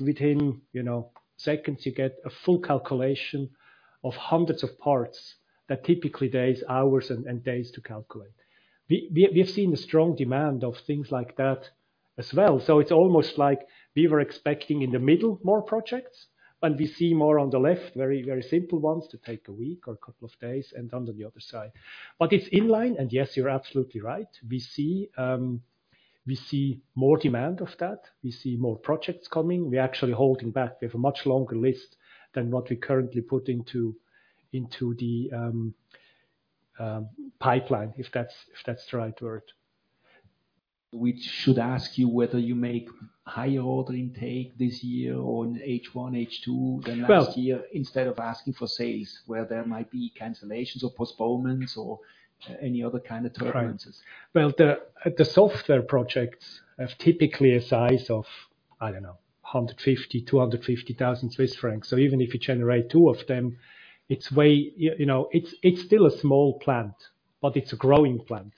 within, you know, seconds, you get a full calculation of hundreds of parts that typically days, hours, and days to calculate. We have seen a strong demand of things like that as well. So it's almost like we were expecting in the middle, more projects, and we see more on the left, very, very simple ones to take a week or a couple of days, and under the other side. But it's in line, and yes, you're absolutely right. We see, we see more demand of that. We see more projects coming. We're actually holding back. We have a much longer list than what we currently put into the pipeline, if that's the right word. We should ask you whether you make higher order intake this year or in H1, H2 than last year? Well- Instead of asking for sales, where there might be cancellations or postponements or any other kind of turbulences. Well, the software projects have typically a size of, I don't know, 150,000-250,000 Swiss francs. So even if you generate two of them, it's way... You know, it's still a small plant, but it's a growing plant.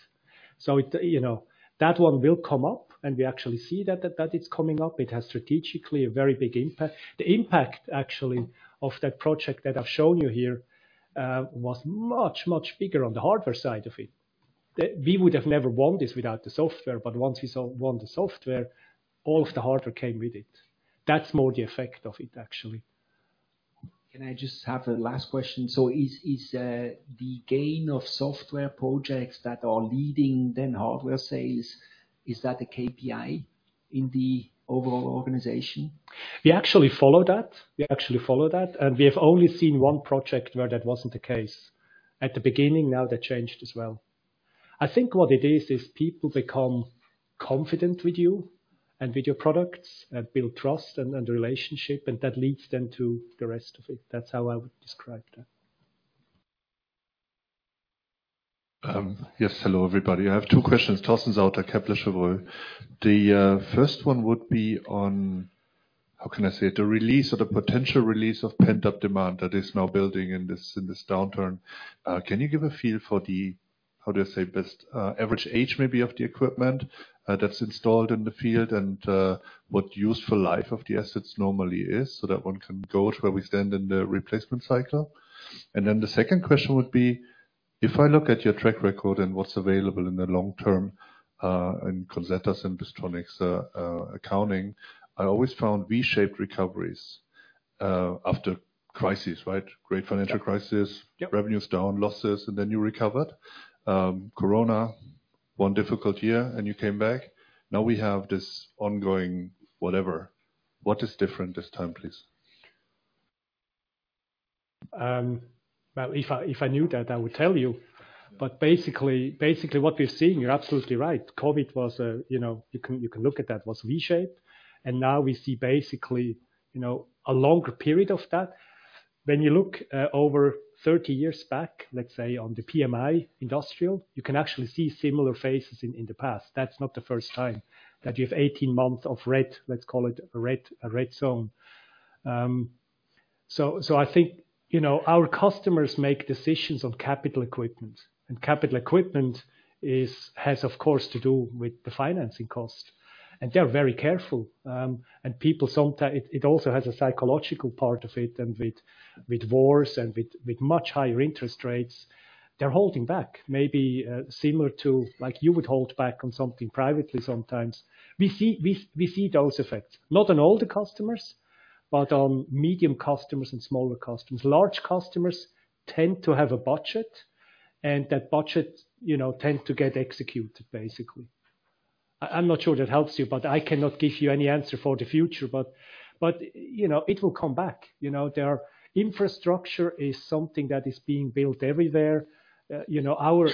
So it, you know, that one will come up, and we actually see that it's coming up. It has strategically a very big impact. The impact, actually, of that project that I've shown you here was much, much bigger on the hardware side of it. We would have never won this without the software, but once we won the software, all of the hardware came with it. That's more the effect of it, actually. Can I just have a last question? So is the gain of software projects that are leading then hardware sales, is that a KPI in the overall organization? We actually follow that. We actually follow that, and we have only seen one project where that wasn't the case. At the beginning, now that changed as well. I think what it is, is people become confident with you and with your products, build trust and, and relationship, and that leads them to the rest of it. That's how I would describe that. Yes. Hello, everybody. I have two questions. Torsten Sauter, Kepler Cheuvreux. The first one would be on, how can I say it? The release or the potential release of pent-up demand that is now building in this, in this downturn. Can you give a feel for the, how do I say best, average age maybe of the equipment, that's installed in the field? And what useful life of the assets normally is, so that one can gauge where we stand in the replacement cycle. And then the second question would be: If I look at your track record and what's available in the long term, in Conzzeta and Bystronic accounting, I always found V-shaped recoveries, after crises, right? Great financial crisis- Yeah. Revenues down, losses, and then you recovered. Corona, one difficult year, and you came back. Now, we have this ongoing, whatever. What is different this time, please? Well, if I, if I knew that, I would tell you. But basically, basically, what we're seeing, you're absolutely right. COVID was a, you know, you can, you can look at that, was V-shaped, and now we see basically, you know, a longer period of that. When you look over 30 years back, let's say, on the PMI Industrial, you can actually see similar phases in, in the past. That's not the first time that you have 18 months of red, let's call it a red, a red zone. So, so I think, you know, our customers make decisions on capital equipment, and capital equipment has, of course, to do with the financing cost, and they're very careful. And people sometimes, it also has a psychological part of it, and with wars and with much higher interest rates, they're holding back, maybe, similar to like you would hold back on something privately sometimes. We see those effects, not on all the customers, but on medium customers and smaller customers. Large customers tend to have a budget, and that budget, you know, tend to get executed, basically. I'm not sure that helps you, but I cannot give you any answer for the future. But you know, it will come back. You know, there are infrastructure projects being built everywhere. You know, our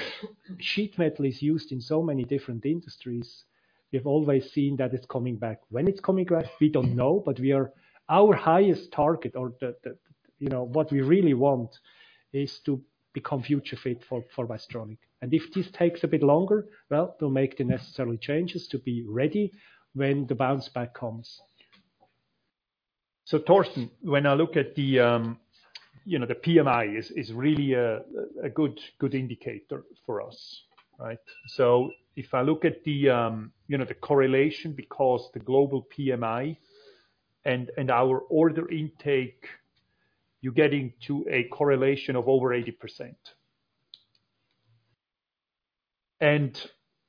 sheet metal is used in so many different industries. We've always seen that it's coming back. When it's coming back, we don't know, but we are. Our highest target or you know what we really want is to become future fit for Bystronic. If this takes a bit longer, well, we'll make the necessary changes to be ready when the bounce back comes. So, Torsten, when I look at the, you know, the PMI is really a good indicator for us, right? So if I look at the, you know, the correlation, because the global PMI and our order intake, you're getting to a correlation of over 80%. And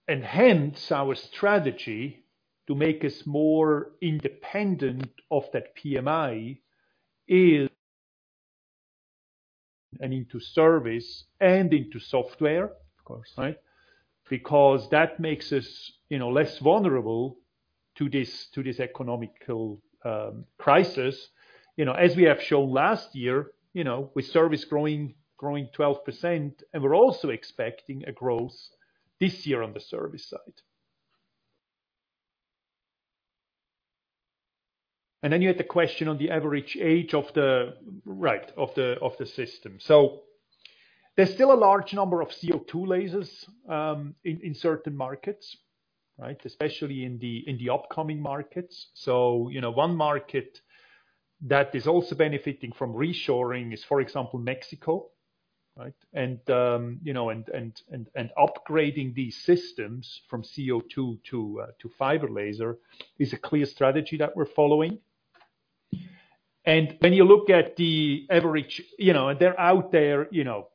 hence, our strategy to make us more independent of that PMI is... and into service and into software- Of course. Right? Because that makes us, you know, less vulnerable to this, to this economic crisis. You know, as we have shown last year, you know, with service growing 12%, and we're also expecting a growth this year on the service side. And then you had the question on the average age of the... Right, of the, of the system. So there's still a large number of CO₂ lasers in certain markets, right? Especially in the upcoming markets. So, you know, one market that is also benefiting from reshoring is, for example, Mexico, right? And you know, upgrading these systems from CO₂ to fiber laser is a clear strategy that we're following. And when you look at the average, you know, they're out there, you know,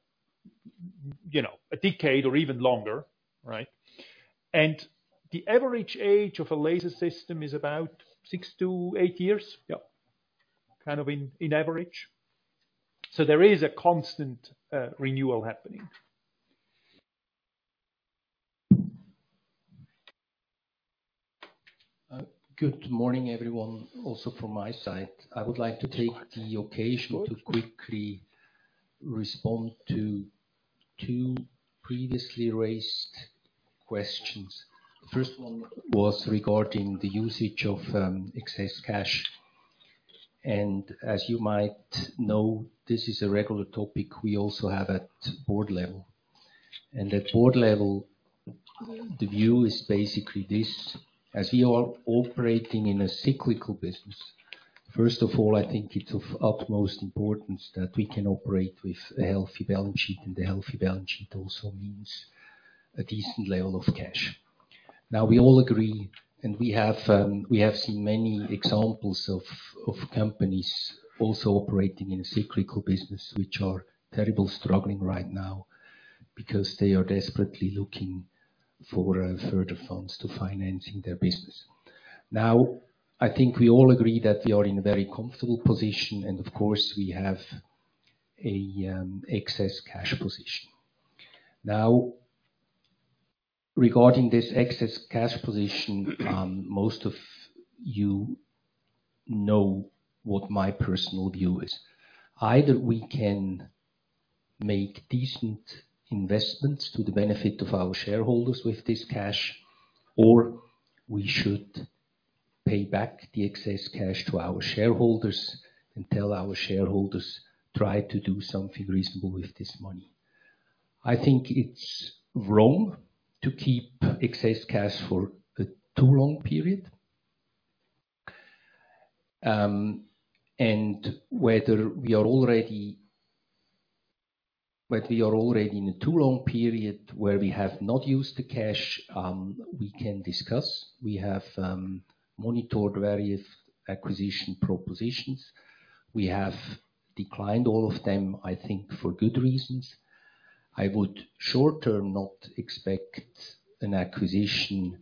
a decade or even longer, right? The average age of a laser system is about 6-8 years. Yeah. Kind of in average. So there is a constant renewal happening. Good morning, everyone, also from my side. I would like to take the occasion to quickly respond to two previously raised questions. First one was regarding the usage of excess cash, and as you might know, this is a regular topic we also have at board level. At board level, the view is basically this: as we are operating in a cyclical business, first of all, I think it's of utmost importance that we can operate with a healthy balance sheet, and a healthy balance sheet also means a decent level of cash. Now, we all agree, and we have seen many examples of companies also operating in a cyclical business, which are terribly struggling right now because they are desperately looking for further funds to financing their business. Now, I think we all agree that we are in a very comfortable position, and of course, we have a excess cash position. Now, regarding this excess cash position, most of you know what my personal view is. Either we can make decent investments to the benefit of our shareholders with this cash, or we should pay back the excess cash to our shareholders and tell our shareholders, "Try to do something reasonable with this money." I think it's wrong to keep excess cash for a too long period. And whether we are already in a too long period where we have not used the cash, we can discuss. We have monitored various acquisition propositions. We have declined all of them, I think, for good reasons. I would, short term, not expect an acquisition,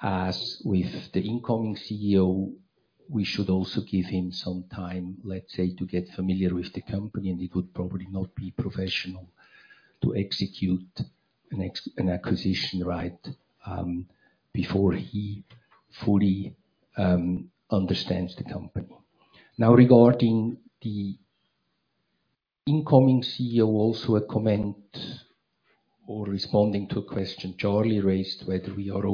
as with the incoming CEO, we should also give him some time, let's say, to get familiar with the company, and it would probably not be professional to execute an acquisition right before he fully understands the company. Now, regarding the incoming CEO, also a comment or responding to a question Charlie raised, whether we are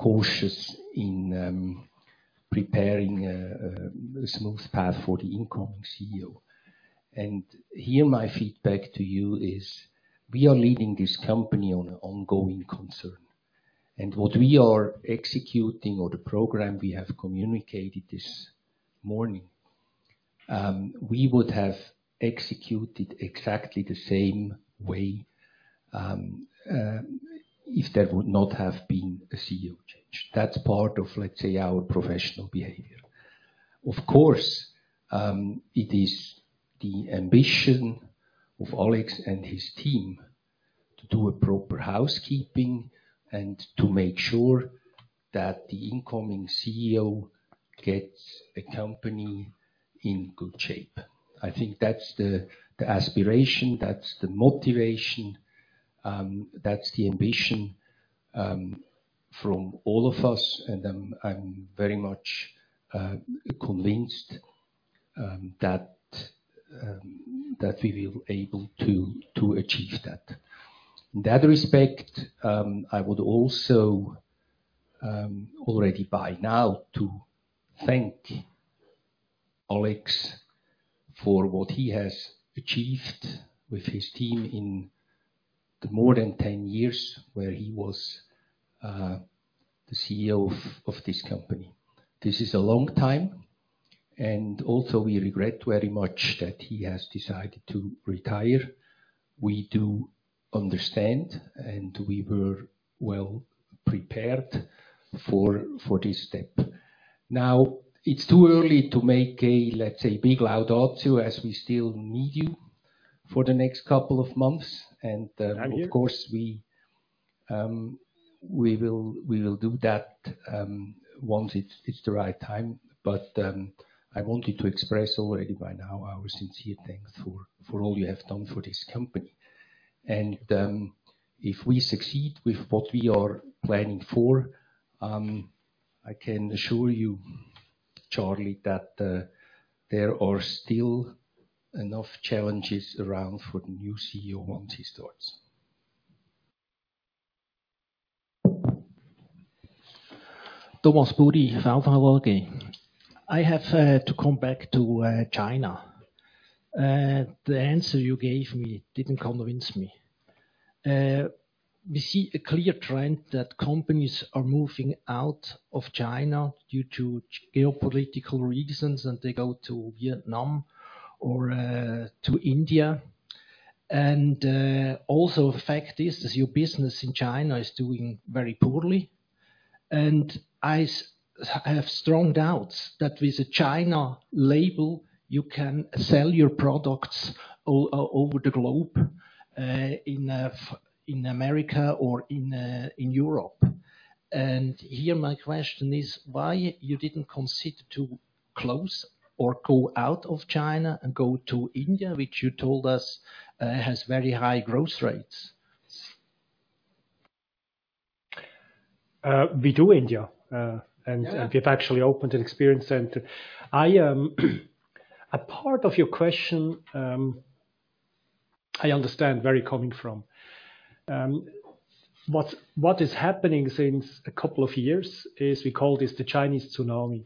overcautious in preparing a smooth path for the incoming CEO. Here, my feedback to you is, we are leading this company on an ongoing concern, and what we are executing or the program we have communicated this morning, we would have executed exactly the same way, if there would not have been a CEO change. That's part of, let's say, our professional behavior. Of course, it is the ambition of Alex and his team to do a proper housekeeping and to make sure that the incoming Chief Executive Officer gets the company in good shape. I think that's the, the aspiration, that's the motivation, that's the ambition, from all of us, and I'm, I'm very much, convinced, that, that we will able to, to achieve that. In that respect, I would also, already by now, to thank Alex for what he has achieved with his team in the more than 10 years where he was, the Chief Executive Officer of, of this company. This is a long time, and also we regret very much that he has decided to retire. We do understand, and we were well prepared for, for this step. Now, it's too early to make a, let's say, big shout out to you, as we still need you for the next couple of months. And, I'm here. Of course, we will do that once it's the right time. But I wanted to express already by now our sincere thanks for all you have done for this company. And if we succeed with what we are planning for, I can assure you, Charlie, that there are still enough challenges around for the new Chief Executive Officer once he starts. Thomas Buri from Finanz und Wirtschaft. I have to come back to China. The answer you gave me didn't convince me. We see a clear trend that companies are moving out of China due to geopolitical reasons, and they go to Vietnam or to India. And also the fact is, your business in China is doing very poorly, and I have strong doubts that with a China label, you can sell your products over the globe, in America or in Europe. And here, my question is, why you didn't consider to close or go out of China and go to India, which you told us has very high growth rates? We do India. Yeah. - and we've actually opened an experience center. I, a part of your question, I understand where you're coming from. What is happening since a couple of years is we call this the Chinese tsunami.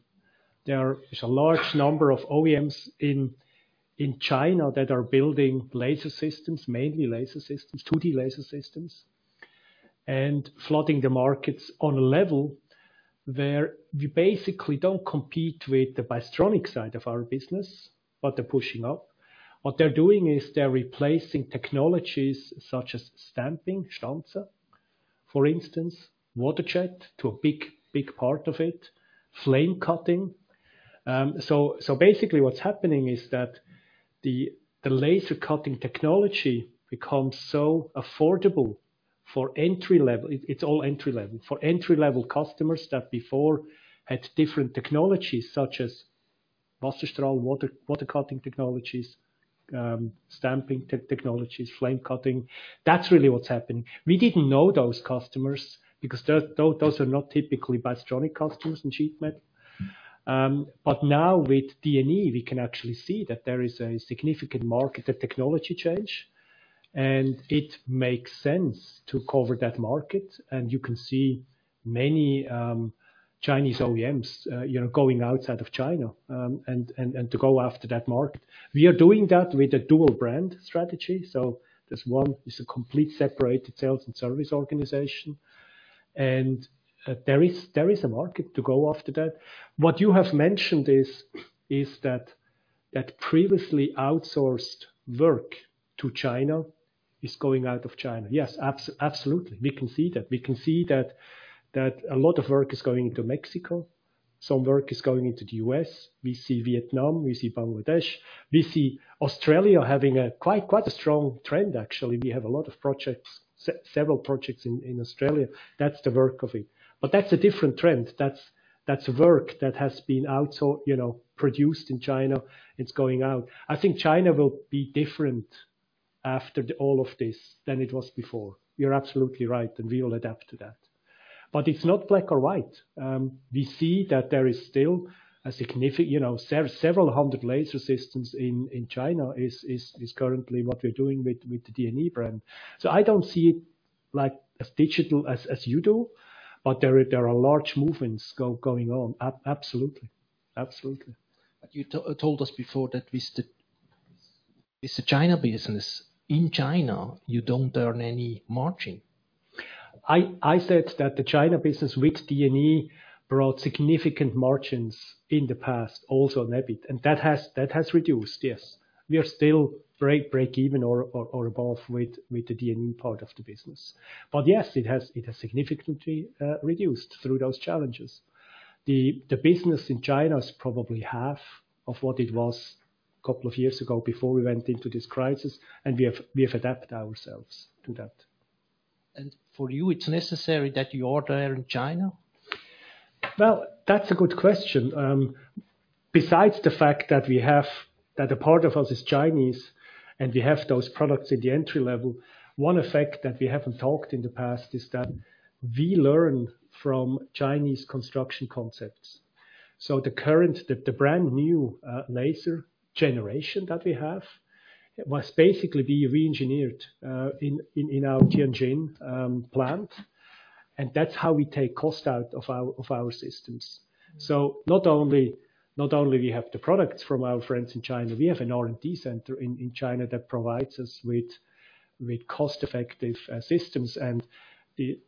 There is a large number of OEMs in China that are building laser systems, mainly laser systems, 2D laser systems, and flooding the markets on a level where we basically don't compete with the Bystronic side of our business, but they're pushing up. What they're doing is they're replacing technologies such as stamping, Stanzen, for instance, waterjet, to a big, big part of it, flame cutting. So basically what's happening is that the laser cutting technology becomes so affordable for entry-level... It's all entry-level. For entry-level customers that before had different technologies such as waterjet, water, water cutting technologies, stamping technologies, flame cutting. That's really what's happening. We didn't know those customers because those are not typically Bystronic customers in sheet metal. But now with DNE, we can actually see that there is a significant market of technology change, and it makes sense to cover that market, and you can see many Chinese OEMs, you know, going outside of China, and to go after that market. We are doing that with a dual brand strategy, so this one is a complete separate sales and service organization, and there is a market to go after that. What you have mentioned is that previously outsourced work to China is going out of China. Yes, absolutely. We can see that. We can see that a lot of work is going into Mexico, some work is going into the U.S., we see Vietnam, we see Bangladesh, we see Australia having a quite strong trend, actually. We have a lot of projects, several projects in Australia. That's the work of it. But that's a different trend. That's work that has been outsourced, you know, produced in China, it's going out. I think China will be different.... after all of this than it was before. You're absolutely right, and we will adapt to that. But it's not black or white. We see that there is still a significant, you know, several hundred laser systems in China is currently what we're doing with the DNE brand. So I don't see it as digital as you do, but there are large movements going on. Absolutely. Absolutely. But you told us before that with the China business, in China, you don't earn any margin. I said that the China business with DNE brought significant margins in the past, also on EBIT, and that has reduced, yes. We are still break even or above with the DNE part of the business. But yes, it has significantly reduced through those challenges. The business in China is probably half of what it was a couple of years ago before we went into this crisis, and we have adapted ourselves to that. For you, it's necessary that you are there in China? Well, that's a good question. Besides the fact that a part of us is Chinese, and we have those products at the entry level, one effect that we haven't talked in the past is that we learn from Chinese construction concepts. So the current brand new laser generation that we have, it was basically reengineered in our Tianjin plant, and that's how we take cost out of our systems. So not only we have the products from our friends in China, we have an R&D center in China that provides us with cost-effective systems. And the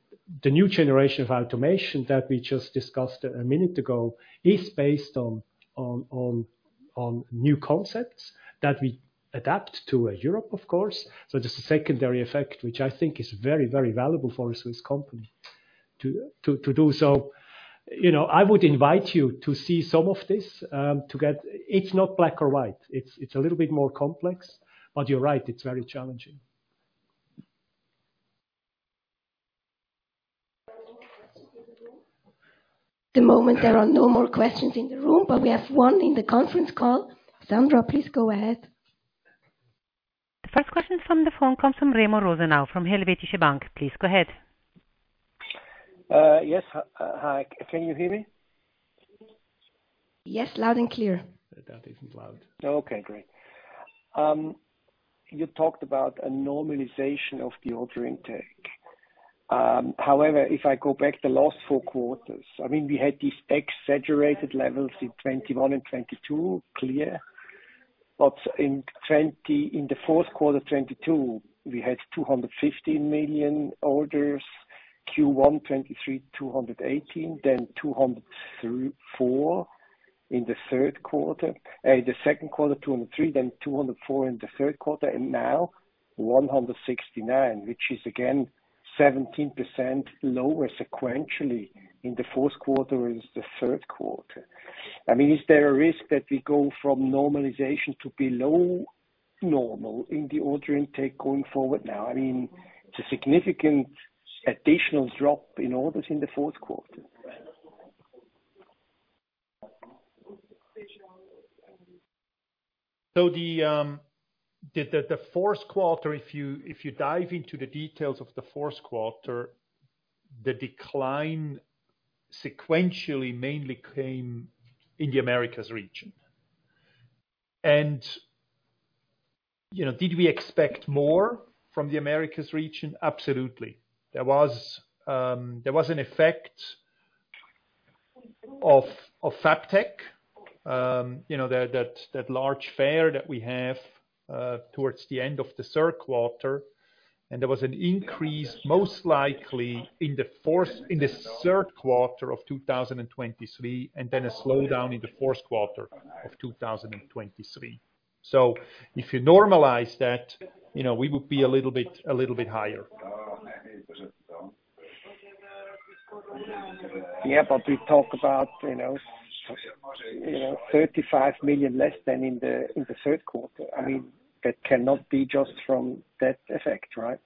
new generation of automation that we just discussed a minute ago is based on new concepts that we adapt to Europe, of course. It's a secondary effect, which I think is very, very valuable for a Swiss company to do so. You know, I would invite you to see some of this to get... It's not black or white. It's a little bit more complex, but you're right, it's very challenging. At the moment, there are no more questions in the room, but we have one in the conference call. Sandra, please go ahead. The first question from the phone comes from Remo Rosenau, from Helvetische Bank. Please go ahead. Yes. Hi, can you hear me? Yes, loud and clear. That isn't loud. Okay, great. You talked about a normalization of the order intake. However, if I go back the last four quarters, I mean, we had these exaggerated levels in 2021 and 2022, clear. But in the fourth quarter 2022, we had 215 million orders, Q1 2023, 218, then 204 in the third quarter. The second quarter, 203, then 204 in the third quarter, and now 169, which is again 17% lower sequentially in the fourth quarter and the third quarter. I mean, is there a risk that we go from normalization to below normal in the order intake going forward now? I mean, it's a significant additional drop in orders in the fourth quarter. So the fourth quarter, if you dive into the details of the fourth quarter, the decline sequentially mainly came in the Americas region. And, you know, did we expect more from the Americas region? Absolutely. There was an effect of FABTECH, you know, that large fair that we have, towards the end of the third quarter, and there was an increase, most likely in the third quarter of 2023, and then a slowdown in the fourth quarter of 2023. So if you normalize that, you know, we would be a little bit higher. Yeah, but we talk about, you know, you know, 35 million less than in the third quarter. I mean, that cannot be just from that effect, right?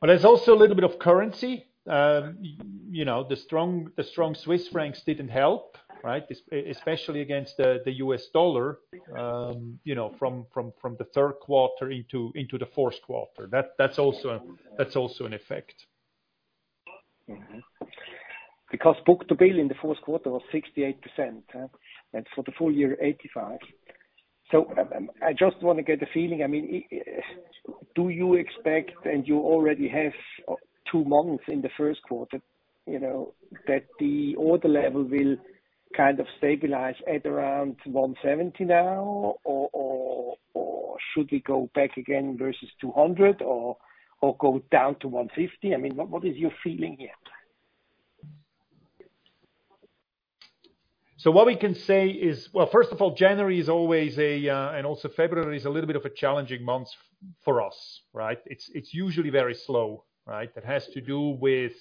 Well, there's also a little bit of currency. You know, the strong Swiss francs didn't help, right? Especially against the US dollar, you know, from the third quarter into the fourth quarter. That's also an effect. Mm-hmm. Because book to bill in the fourth quarter was 68%, and for the full year, 85%. So, I just wanna get a feeling. I mean, do you expect, and you already have two months in the first quarter, you know, that the order level will kind of stabilize at around 170 now, or, or, or should we go back again versus 200 or, or go down to 150? I mean, what, what is your feeling here? So what we can say is... Well, first of all, January is always a, and also February, a little bit of a challenging month for us, right? It's, it's usually very slow, right? That has to do with,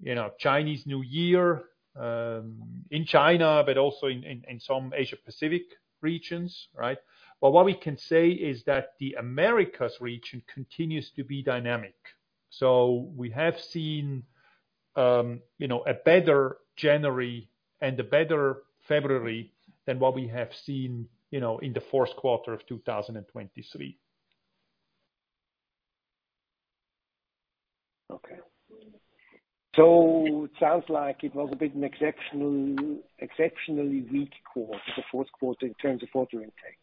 you know, Chinese New Year, in China, but also in, in, in some Asia Pacific regions, right? But what we can say is that the Americas region continues to be dynamic. So we have seen, you know, a better January and a better February than what we have seen, you know, in the fourth quarter of 2023. Okay. So it sounds like it was a bit exceptionally weak quarter, the fourth quarter, in terms of order intake.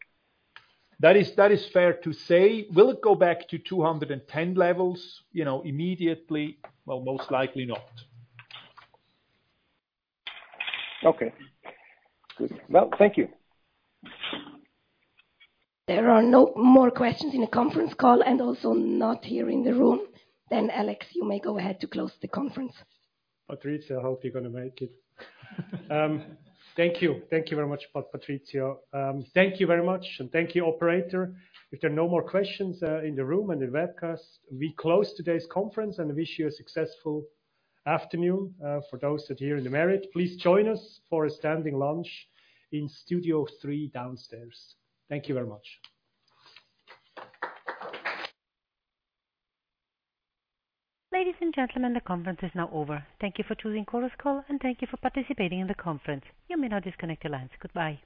That is, that is fair to say. Will it go back to 210 levels, you know, immediately? Well, most likely not. Okay, good. Well, thank you. There are no more questions in the conference call and also not here in the room. Alex, you may go ahead to close the conference. Patrizia, I hope you're gonna make it. Thank you. Thank you very much, Patrizia. Thank you very much, and thank you, operator. If there are no more questions in the room and the webcast, we close today's conference and wish you a successful afternoon. For those that are here in the Marriott, please join us for a standing lunch in Studio three downstairs. Thank you very much. Ladies and gentlemen, the conference is now over. Thank you for choosing Chorus Call, and thank you for participating in the conference. You may now disconnect your lines. Goodbye.